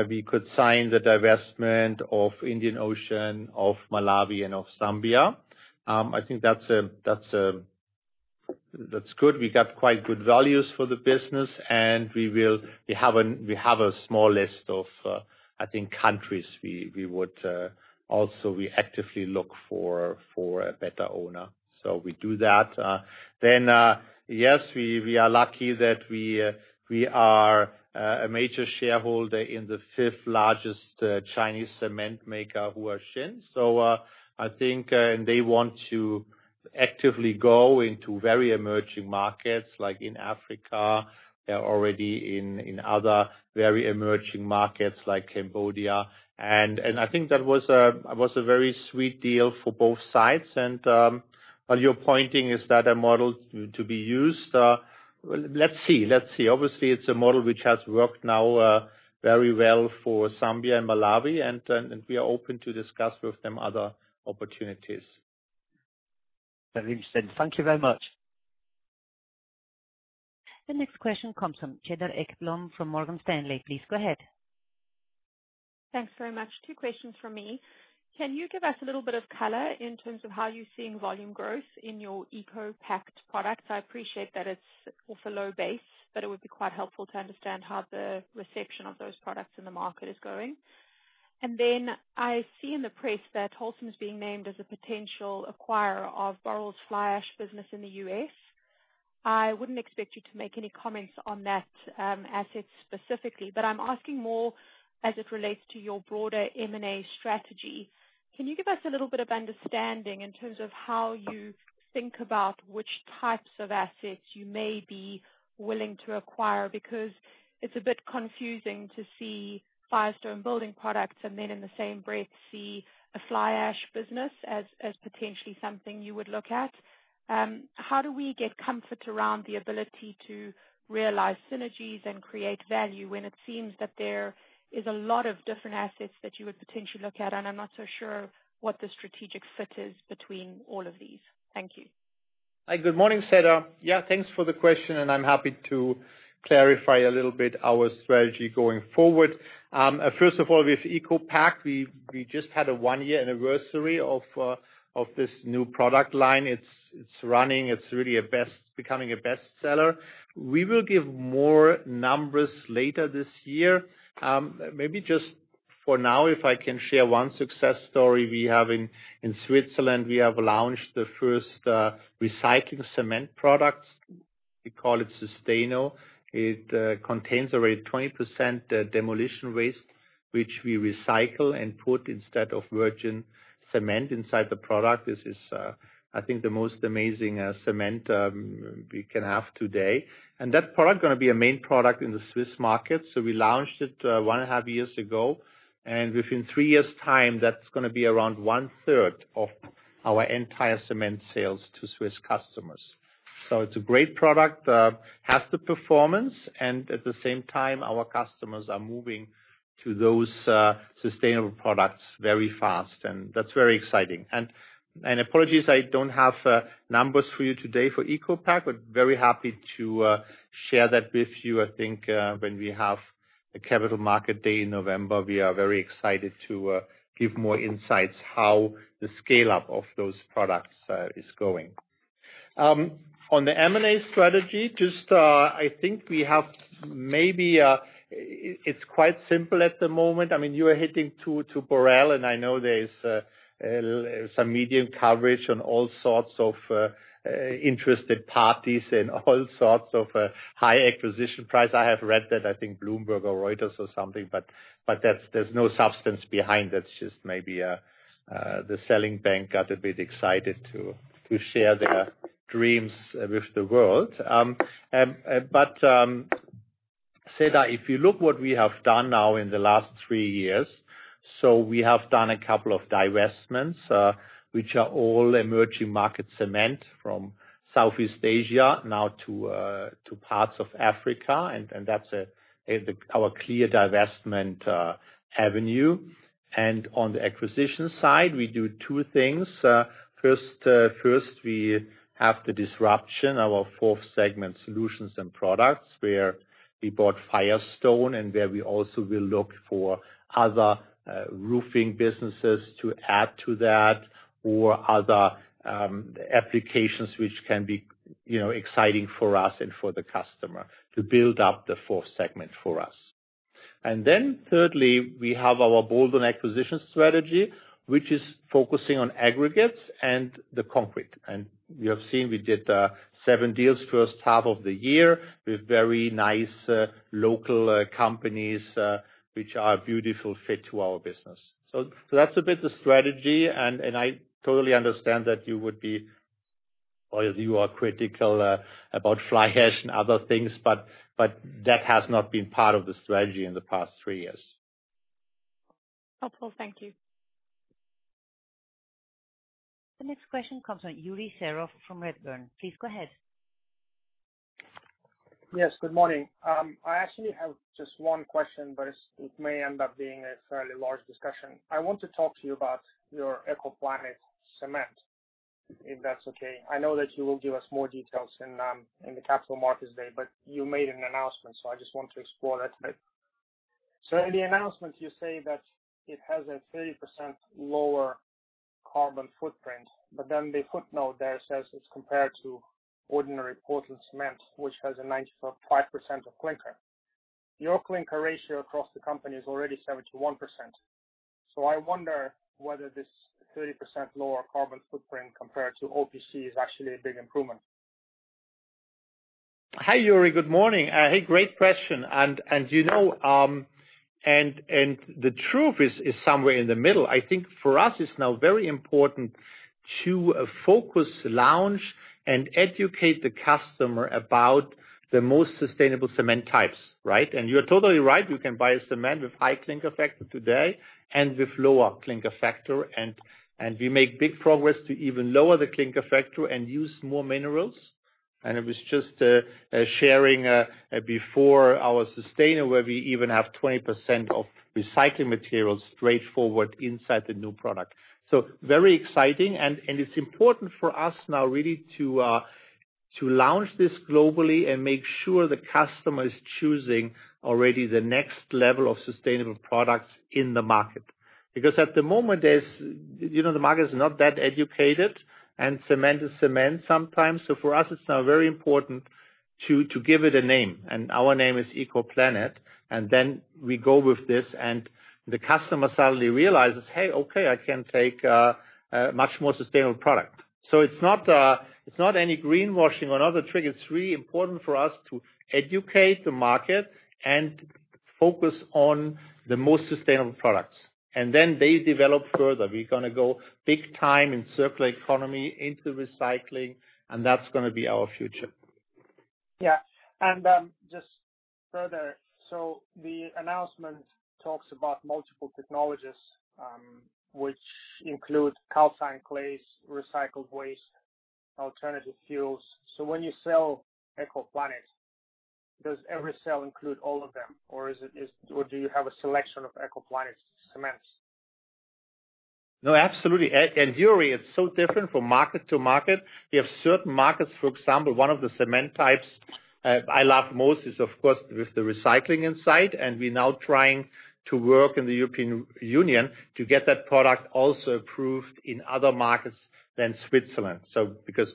we could sign the divestment of Indian Ocean, of Malawi and of Zambia. I think that's good. We got quite good values for the business and we have a small list of, I think, countries we would also actively look for a better owner. We do that. Yes, we are lucky that we are a major shareholder in the fifth largest Chinese cement maker, Huaxin. I think they want to actively go into very emerging markets like in Africa. They're already in other very emerging markets like Cambodia. I think that was a very sweet deal for both sides and what you're pointing is that a model to be used. Let's see. Obviously it's a model which has worked now very well for Zambia and Malawi and we are open to discuss with them other opportunities. Very interesting. Thank you very much. The next question comes from Cedar Ekblom from Morgan Stanley. Please go ahead. Thanks very much. Two questions from me. Can you give us a little bit of color in terms of how you're seeing volume growth in your ECOPact products? I appreciate that it's off a low base, but it would be quite helpful to understand how the reception of those products in the market is going. Then I see in the press that Holcim is being named as a potential acquirer of Boral's fly ash business in the U.S. I wouldn't expect you to make any comments on that asset specifically, but I'm asking more as it relates to your broader M&A strategy. Can you give us a little bit of understanding in terms of how you think about which types of assets you may be willing to acquire? Because it's a bit confusing to see Firestone Building Products, and then in the same breath see a fly ash business as potentially something you would look at. How do we get comfort around the ability to realize synergies and create value when it seems that there is a lot of different assets that you would potentially look at? I'm not so sure what the strategic fit is between all of these. Thank you. Hi. Good morning, Cedar. Thanks for the question, and I am happy to clarify a little bit our strategy going forward. First of all, with ECOPact, we just had a one-year anniversary of this new product line. It is running. It is really becoming a best seller. We will give more numbers later this year. Maybe just for now, if I can share one success story we have in Switzerland. We have launched the first recycling cement products. We call it Susteno. It contains already 20% demolition waste, which we recycle and put instead of virgin cement inside the product. This is, I think, the most amazing cement we can have today. That product is going to be a main product in the Swiss market. We launched it one and 1.5 years ago, and within three years' time, that's going to be around 1/3 of our entire cement sales to Swiss customers. It's a great product. It has the performance, and at the same time, our customers are moving to those sustainable products very fast, and that's very exciting. Apologies, I don't have numbers for you today for ECOPact, but very happy to share that with you, I think, when we have a Capital Markets Day in November. We are very excited to give more insights how the scale-up of those products is going. On the M&A strategy, it's quite simple at the moment. You are hitting to Boral, and I know there is some media coverage on all sorts of interested parties and all sorts of high acquisition price. I have read that, I think Bloomberg or Reuters or something, but there's no substance behind. That's just maybe the selling bank got a bit excited to share their dreams with the world. Cedar, if you look what we have done now in the last three years, so we have done a couple of divestments, which are all emerging market cement from Southeast Asia now to parts of Africa, and that's our clear divestment avenue. On the acquisition side, we do two things. First, we have the disruption, our fourth segment Solutions and Products, where we bought Firestone and where we also will look for other roofing businesses to add to that or other applications which can be exciting for us and for the customer to build up the fourth segment for us. Thirdly, we have our bolt-on acquisition strategy, which is focusing on aggregates and the concrete. We have seen, we did seven deals first half of the year with very nice local companies, which are a beautiful fit to our business. That's a bit the strategy, and I totally understand that you would be, or you are critical about fly ash and other things, but that has not been part of the strategy in the past three years. Helpful. Thank you. The next question comes from Yuri Serov from Redburn. Please go ahead. Yes, good morning. I actually have just one question, it may end up being a fairly large discussion. I want to talk to you about your ECOPlanet cement, if that's okay. I know that you will give us more details in the Capital Markets Day, you made an announcement, I just want to explore that a bit. In the announcement, you say that it has a 30% lower carbon footprint, the footnote there says it's compared to ordinary Portland cement, which has a 95% of clinker. Your clinker ratio across the company is already 71%. I wonder whether this 30% lower carbon footprint compared to OPC is actually a big improvement. Hi, Yuri. Good morning. Hey, great question. The truth is somewhere in the middle. I think for us, it's now very important to focus, launch, and educate the customer about the most sustainable cement types, right? You're totally right. We can buy a cement with high clinker factor today and with lower clinker factor. We make big progress to even lower the clinker factor and use more minerals. It was just sharing before our Susteno, where we even have 20% of recycling materials straightforward inside the new product. Very exciting. It's important for us now really to launch this globally and make sure the customer is choosing already the next level of sustainable products in the market. At the moment, the market is not that educated, and cement is cement sometimes. For us, it's now very important to give it a name, and our name is ECOPlanet. We go with this, the customer suddenly realizes, "Hey, okay, I can take a much more sustainable product." It's not any greenwashing or other trick. It's really important for us to educate the market and focus on the most sustainable products. They develop further. We're going to go big time in circular economy into recycling, and that's going to be our future. Just further, the announcement talks about multiple technologies, which include calcined clays, recycled waste, alternative fuels. When you sell ECOPlanet, does every sale include all of them? Or do you have a selection of ECOPlanet cements? No, absolutely. Yuri, it's so different from market to market. We have certain markets, for example, one of the cement types I love most is, of course, with the recycling inside, and we're now trying to work in the European Union to get that product also approved in other markets than Switzerland.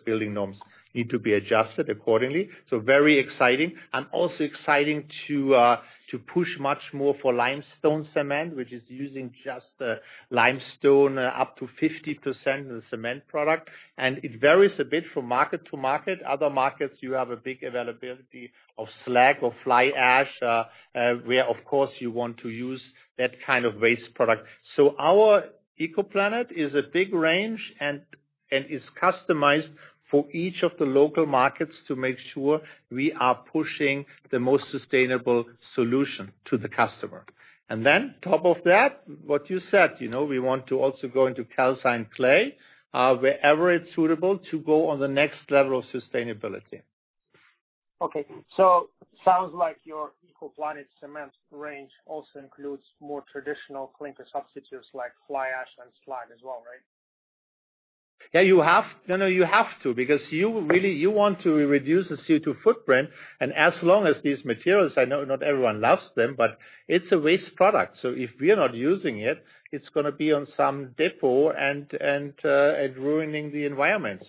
Building norms need to be adjusted accordingly. Very exciting. Also exciting to push much more for limestone cement, which is using just limestone up to 50% of the cement product. It varies a bit from market to market. Other markets, you have a big availability of slag or fly ash, where, of course, you want to use that kind of waste product. Our ECOPlanet is a big range and is customized for each of the local markets to make sure we are pushing the most sustainable solution to the customer. Top of that, what you said. We want to also go into calcined clay, wherever it's suitable to go on the next level of sustainability. Okay. Sounds like your ECOPlanet cement range also includes more traditional clinker substitutes like fly ash and slag as well, right? Yeah, you have to, because you want to reduce the CO2 footprint, and as long as these materials, I know not everyone loves them, but it's a waste product. If we are not using it's going to be on some depot and ruining the environment.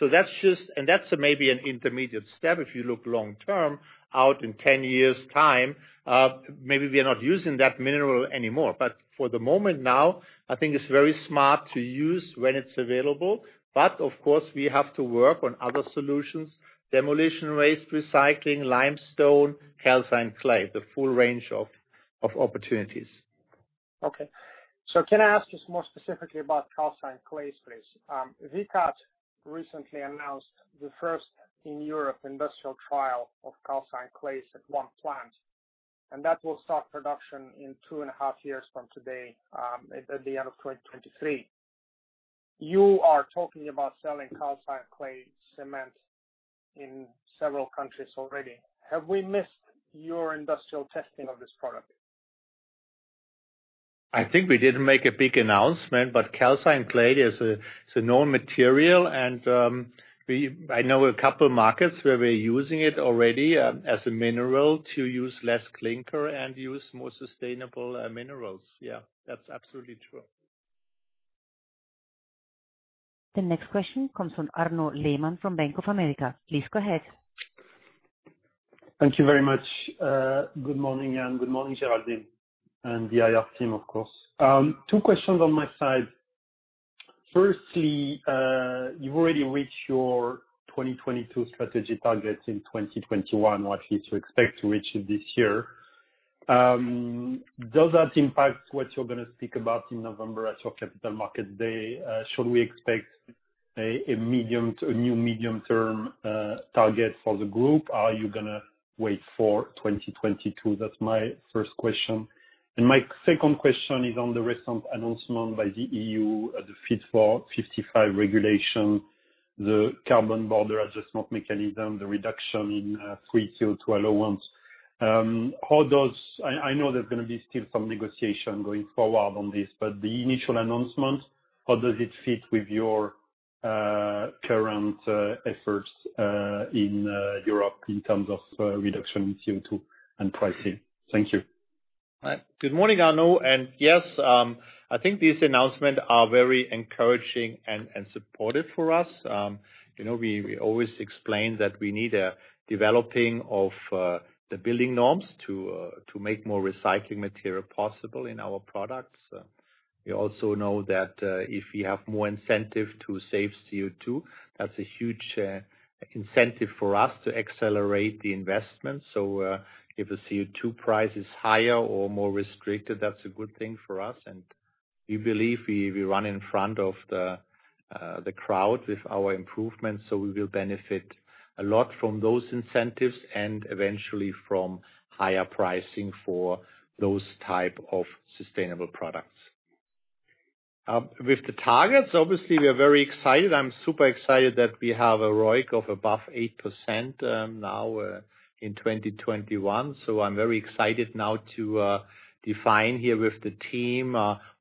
That's maybe an intermediate step if you look long term, out in 10 years' time, maybe we are not using that mineral anymore. For the moment now, I think it's very smart to use when it's available. Of course, we have to work on other solutions, demolition waste recycling, limestone, calcined clay, the full range of opportunities. Okay. Can I ask just more specifically about calcined clays, please? Vicat recently announced the first in Europe industrial trial of calcined clays at one plant, and that will start production in 2.5 years from today, at the end of 2023. You are talking about selling calcined clay cement in several countries already. Have we missed your industrial testing of this product? I think we didn't make a big announcement, but calcined clay is a known material and I know a couple markets where we're using it already as a mineral to use less clinker and use more sustainable minerals. Yeah, that's absolutely true. The next question comes from Arnaud Lehmann from Bank of America. Please go ahead. Thank you very much. Good morning, Jan. Good morning, Géraldine, and the IR team, of course. Two questions on my side. Firstly, you've already reached your 2022 strategy targets in 2021 or actually to expect to reach it this year. Does that impact what you're going to speak about in November at your Capital Markets Day? Should we expect a new medium-term target for the group? Are you going to wait for 2022? That's my first question. My second question is on the recent announcement by the EU, the Fit for 55 regulation, the Carbon Border Adjustment Mechanism, the reduction in free CO2 allowance. I know there's going to be still some negotiation going forward on this, but the initial announcement, how does it fit with your current efforts in Europe in terms of reduction in CO2 and pricing? Thank you. Good morning, Arnaud. Yes, I think these announcements are very encouraging and supportive for us. We always explain that we need a developing of the building norms to make more recycling material possible in our products. We also know that if we have more incentive to save CO2, that's a huge incentive for us to accelerate the investment. If a CO2 price is higher or more restricted, that's a good thing for us. We believe we run in front of the crowd with our improvements, so we will benefit a lot from those incentives and eventually from higher pricing for those type of sustainable products. With the targets, obviously, we are very excited. I'm super excited that we have a ROIC of above 8% now in 2021. I'm very excited now to define here with the team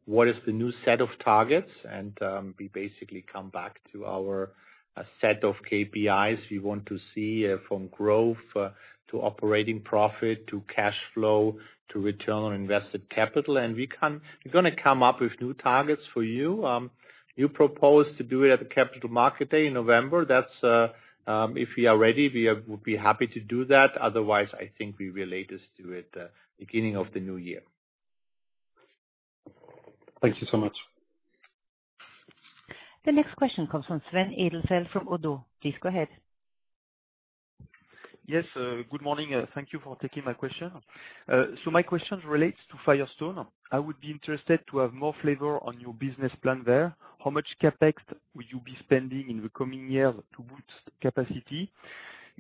what is the new set of targets, and we basically come back to our set of KPIs. We want to see from growth to operating profit to cash flow to return on invested capital. We're going to come up with new targets for you. You propose to do it at the Capital Markets Day in November. If we are ready, we'll be happy to do that. Otherwise, I think we will latest do it beginning of the new year. Thank you so much. The next question comes from Sven Edelfelt from Oddo. Please go ahead. Yes. Good morning. Thank you for taking my question. My question relates to Firestone. I would be interested to have more flavor on your business plan there. How much CapEx will you be spending in the coming years to boost capacity.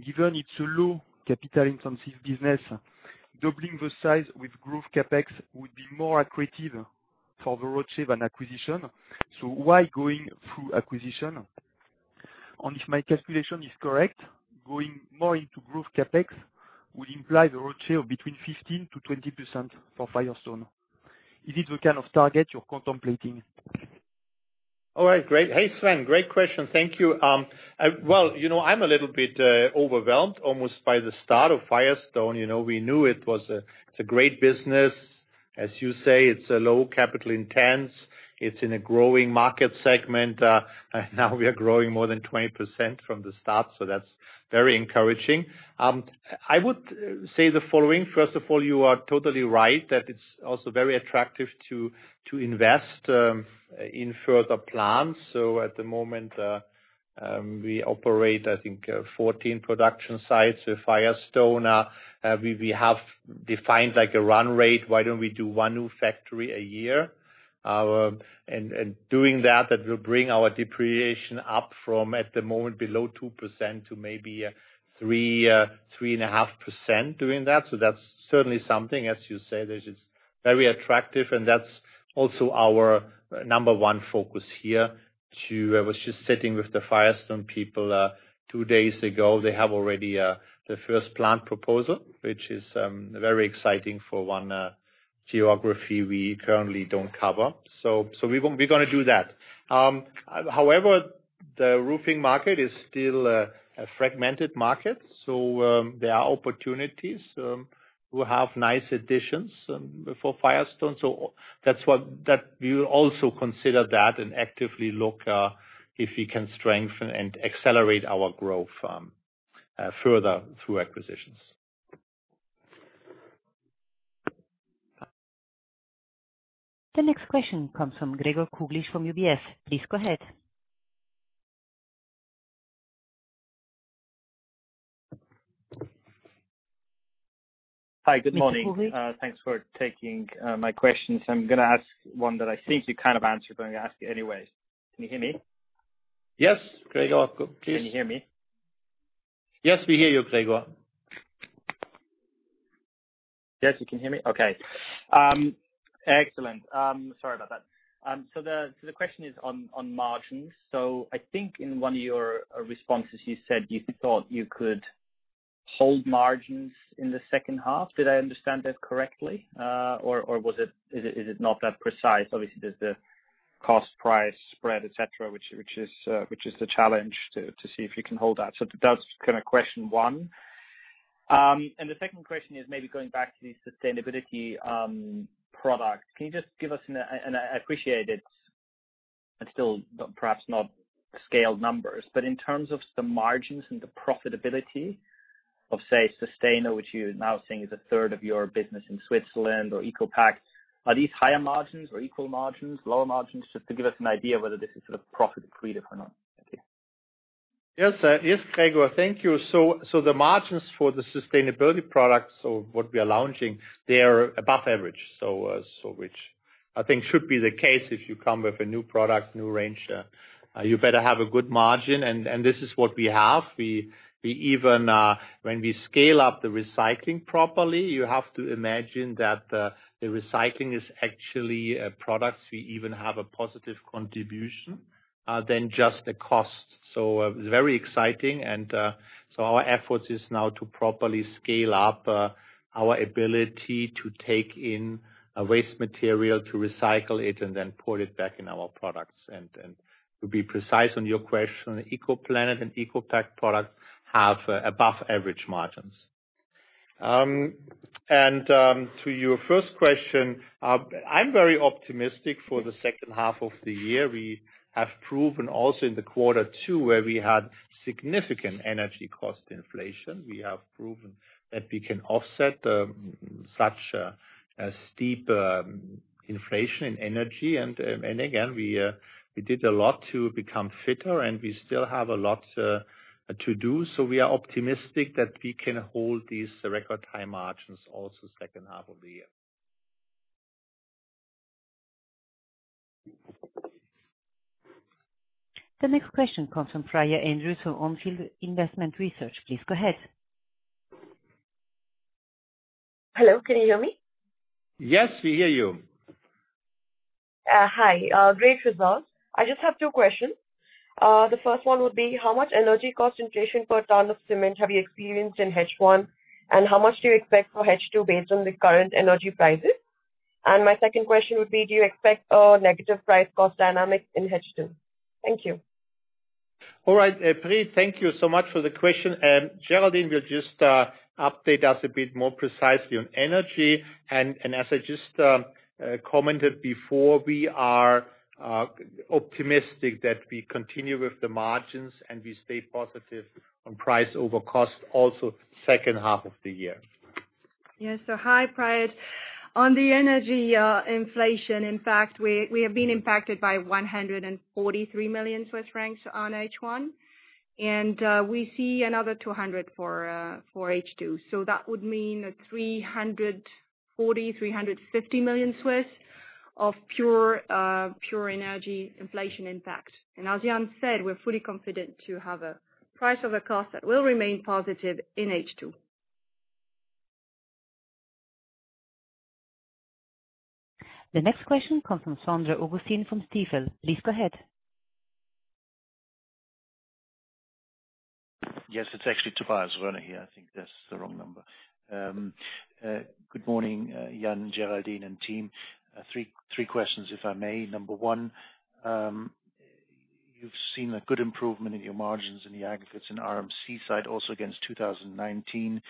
Given it's a low capital intensity business, doubling the size with growth CapEx would be more accretive for the ROIC and acquisition. Why going through acquisition? If my calculation is correct, going more into growth CapEx would imply the ROIC between 15%-20% for Firestone. Is this the kind of target you're contemplating? All right, great. Hey, Sven. Great question. Thank you. I'm a little bit overwhelmed almost by the start of Firestone. We knew it was a great business. As you say, it's low capital intense, it's in a growing market segment. we are growing more than 20% from the start, that's very encouraging. I would say the following. First of all, you are totally right that it's also very attractive to invest in further plans. At the moment, we operate, I think, 14 production sites with Firestone. We have defined a run rate. Why don't we do one new factory a year? Doing that will bring our depreciation up from, at the moment, below 2% to maybe 3%, 3.5% doing that. That's certainly something, as you say, that is very attractive, and that's also our number one focus here. I was just sitting with the Firestone people two days ago. They have already the first plant proposal, which is very exciting for one geography we currently don't cover. We're going to do that. However, the roofing market is still a fragmented market, so there are opportunities. We have nice additions for Firestone. We will also consider that and actively look if we can strengthen and accelerate our growth further through acquisitions. The next question comes from Gregor Kuglitsch from UBS. Please go ahead. Hi. Good morning. Gregor Kuglitsch. Thanks for taking my questions. I'm gonna ask one that I think you kind of answered, but I'm going to ask anyways. Can you hear me? Yes, Gregor. Go, please. Can you hear me? Yes, we hear you, Gregor. Yes, you can hear me? Okay. Excellent. Sorry about that. The question is on margins. I think in one of your responses, you said you thought you could hold margins in the second half. Did I understand that correctly? Or is it not that precise? Obviously, there's the cost price spread, et cetera, which is the challenge to see if you can hold that. That's kind of question one. The second question is maybe going back to the sustainability product. Can you just give us an I appreciate it, and still perhaps not scaled numbers, but in terms of the margins and the profitability of, say, Susteno, which you now think is a third of your business in Switzerland or ECOPact, are these higher margins or equal margins, lower margins? Just to give us an idea whether this is sort of profit accretive or not. Thank you. Yes, Gregor. Thank you. The margins for the sustainability products, what we are launching, they are above average. Which I think should be the case if you come with a new product, new range, you better have a good margin, and this is what we have. When we scale up the recycling properly, you have to imagine that the recycling is actually a product. We even have a positive contribution than just a cost. It's very exciting, and so our efforts is now to properly scale up our ability to take in a waste material, to recycle it, and then put it back in our products. To be precise on your question, ECOPlanet and ECOPact products have above average margins. To your first question, I'm very optimistic for the second half of the year. We have proven also in the quarter two where we had significant energy cost inflation. We have proven that we can offset such a steep inflation in energy, and again, we did a lot to become fitter, and we still have a lot to do. We are optimistic that we can hold these record high margins also second half of the year. The next question comes from Priya Andrews from On Field Investment Research. Please go ahead. Hello, can you hear me? Yes, we hear you. Hi. Great results. I just have two questions. The first one would be, how much energy cost inflation per ton of cement have you experienced in H1? How much do you expect for H2 based on the current energy prices? My second question would be, do you expect a negative price cost dynamic in H2? Thank you. All right. Priya, thank you so much for the question. Géraldine will just update us a bit more precisely on energy. As I just commented before, we are optimistic that we continue with the margins and we stay positive on price over cost also second half of the year. Yes. Hi, Priya. On the energy inflation, in fact, we have been impacted by 143 million Swiss francs on H1, and we see another 200 for H2. that would mean a 340 million-350 million of pure energy inflation impact. As Jan said, we're fully confident to have a price over cost that will remain positive in H2. The next question comes from [Sandra Augustine] from Stifel. Please go ahead. Yes, it's actually Tobias Woerner here. I think that's the wrong number. Good morning, Jan, Géraldine, and team. Three questions if I may. Number one, you've seen a good improvement in your margins in the aggregates and RMC side also against 2019.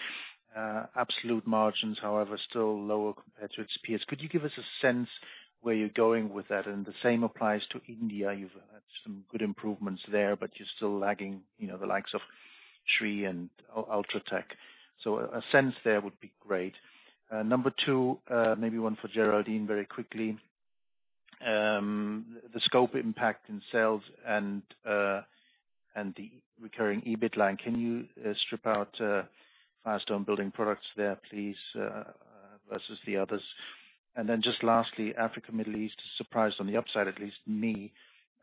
Absolute margins, however, still lower compared to its peers. Could you give us a sense where you're going with that? The same applies to India. You've had some good improvements there, you're still lagging the likes of Shree and UltraTech. A sense there would be great. Number two, maybe one for Géraldine very quickly. The scope impact in sales and the Recurring EBIT line. Can you strip out Firestone Building Products there, please versus the others? Just lastly, Africa, Middle East surprised on the upside, at least me.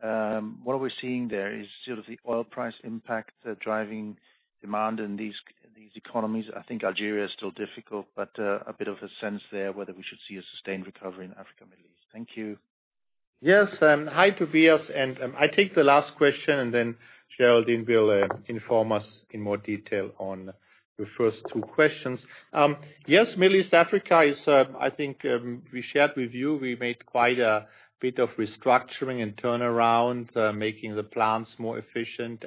What are we seeing there is sort of the oil price impact driving demand in these economies? I think Algeria is still difficult, but a bit of a sense there whether we should see a sustained recovery in Africa and Middle East. Thank you. Hi, Tobias. I take the last question, then Géraldine will inform us in more detail on the first two questions. Middle East, Africa is, I think we shared with you, we made quite a bit of restructuring and turnaround, making the plants more efficient.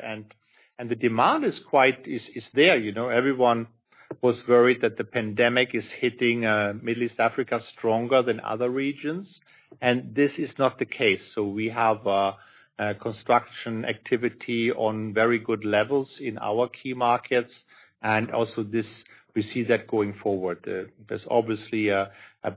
The demand is there. Everyone was worried that the pandemic is hitting Middle East, Africa stronger than other regions, and this is not the case. We have construction activity on very good levels in our key markets, and also we see that going forward. There's obviously a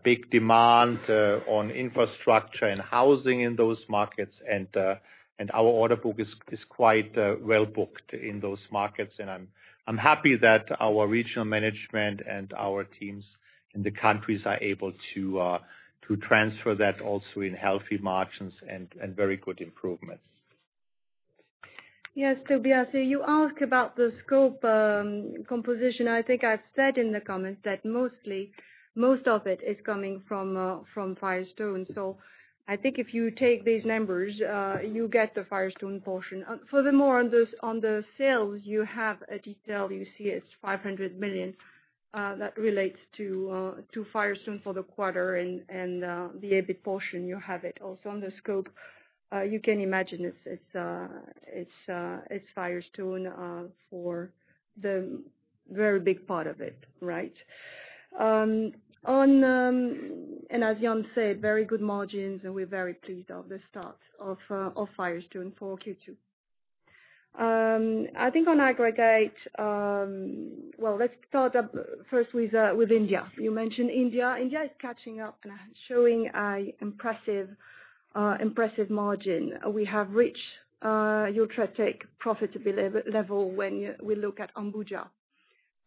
big demand on infrastructure and housing in those markets, and our order book is quite well booked in those markets. I'm happy that our regional management and our teams in the countries are able to transfer that also in healthy margins and very good improvements. Tobias, you ask about the scope composition. I think I've said in the comments that most of it is coming from Firestone. I think if you take these numbers, you get the Firestone portion. On the sales, you have a detail. You see it's 500 million that relates to Firestone for the quarter and the EBIT portion, you have it also on the scope. You can imagine it's Firestone for the very big part of it, right? As Jan said, very good margins and we're very pleased of the start of Firestone for Q2. Let's start up first with India. You mentioned India. India is catching up and showing impressive margin. We have reached UltraTech profitability level when we look at Ambuja.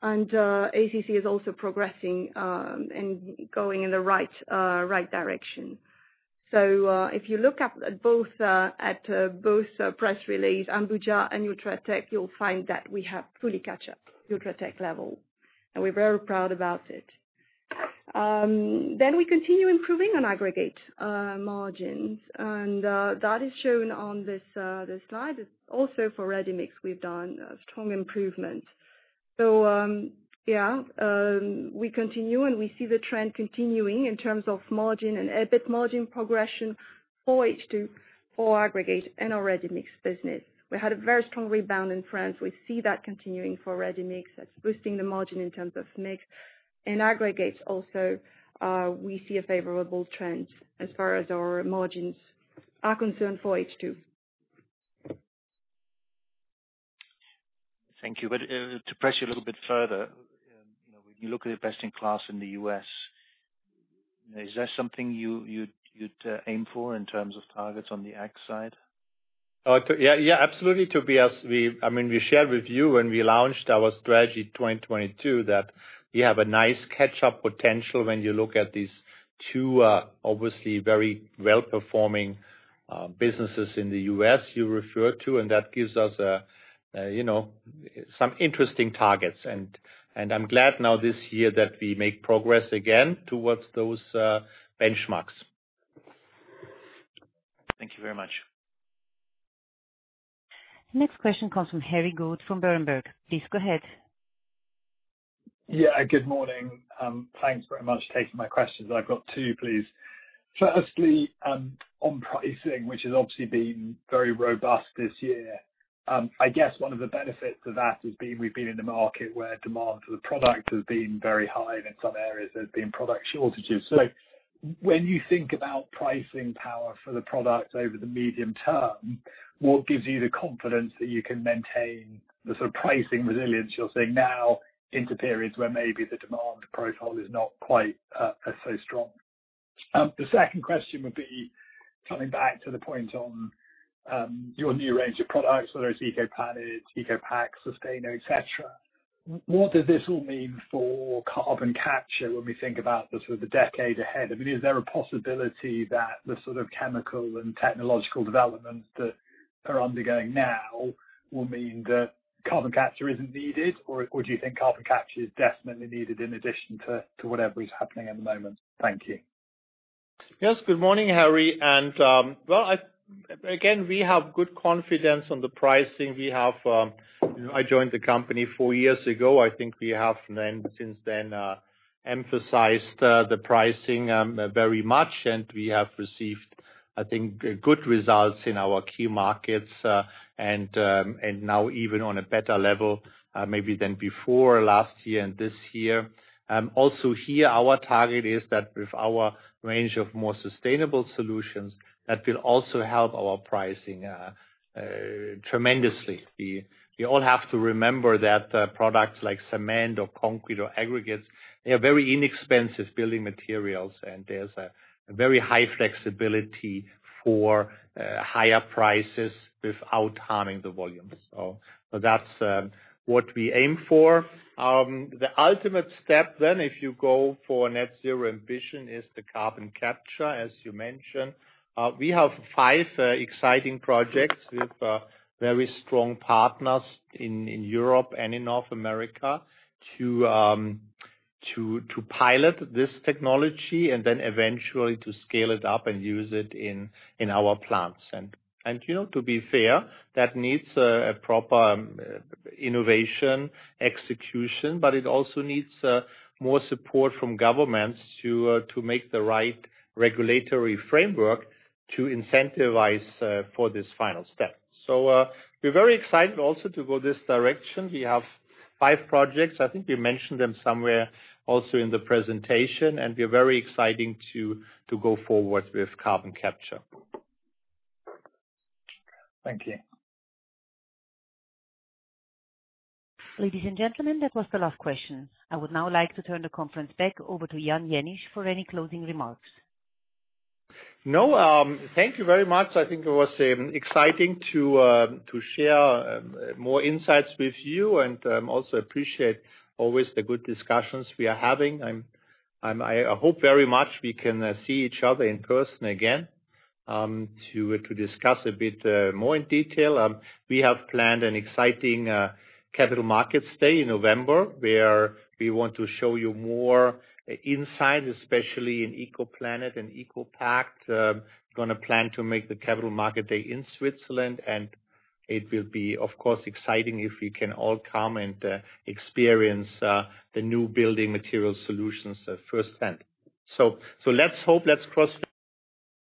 ACC is also progressing and going in the right direction. If you look at both press release, Ambuja and UltraTech, you'll find that we have fully catch up UltraTech level, and we're very proud about it. We continue improving on aggregate margins. That is shown on this slide. Also for Ready-Mix, we've done a strong improvement. Yeah, we continue and we see the trend continuing in terms of margin and EBIT margin progression for H2, for aggregate and our Ready-Mix business. We had a very strong rebound in France. We see that continuing for Ready-Mix as boosting the margin in terms of mix. In aggregates also, we see a favorable trend as far as our margins are concerned for H2. Thank you. To press you a little bit further, when you look at your best in class in the U.S., is that something you'd aim for in terms of targets on the X side? Absolutely, Tobias. We shared with you when we launched our strategy 2022 that we have a nice catch-up potential when you look at these two obviously very well-performing businesses in the U.S. you referred to. That gives us some interesting targets. I'm glad now this year that we make progress again towards those benchmarks. Thank you very much. Next question comes from Harry Goad from Berenberg. Please go ahead. Yeah, good morning. Thanks very much for taking my questions. I've got two, please. Firstly, on pricing, which has obviously been very robust this year. I guess one of the benefits of that has been we've been in a market where demand for the product has been very high, and in some areas there's been product shortages. When you think about pricing power for the product over the medium term, what gives you the confidence that you can maintain the sort of pricing resilience you're seeing now into periods where maybe the demand profile is not quite as so strong? The second question would be coming back to the point on your new range of products, whether it's ECOPlanet, ECOPact, Susteno, et cetera. What does this all mean for carbon capture when we think about the decade ahead? Is there a possibility that the sort of chemical and technological developments that are undergoing now will mean that carbon capture isn't needed? Do you think carbon capture is definitely needed in addition to whatever is happening at the moment? Thank you. Yes. Good morning, Harry Goad. Well, again, we have good confidence on the pricing. I joined the company four years ago. I think we have since then emphasized the pricing very much, and we have received, I think, good results in our key markets, and now even on a better level, maybe than before, last year and this year. Here, our target is that with our range of more sustainable solutions, that will also help our pricing tremendously. We all have to remember that products like cement or concrete or aggregates, they are very inexpensive building materials, and there's a very high flexibility for higher prices without harming the volume. That's what we aim for. The ultimate step then, if you go for net zero emission, is the carbon capture, as you mentioned. We have five exciting projects with very strong partners in Europe and in North America to pilot this technology and then eventually to scale it up and use it in our plants. To be fair, that needs a proper innovation execution, it also needs more support from governments to make the right regulatory framework to incentivize for this final step. We're very excited also to go this direction. We have five projects. I think we mentioned them somewhere also in the presentation, we're very excited to go forward with carbon capture. Thank you. Ladies and gentlemen, that was the last question. I would now like to turn the conference back over to Jan Jenisch for any closing remarks. No. Thank you very much. I think it was exciting to share more insights with you, and also appreciate always the good discussions we are having. I hope very much we can see each other in person again, to discuss a bit more in detail. We have planned an exciting Capital Markets Day in November, where we want to show you more insight, especially in ECOPlanet and ECOPact. Going to plan to make the Capital Markets Day in Switzerland, it will be, of course, exciting if you can all come and experience the new building material solutions firsthand. Let's hope.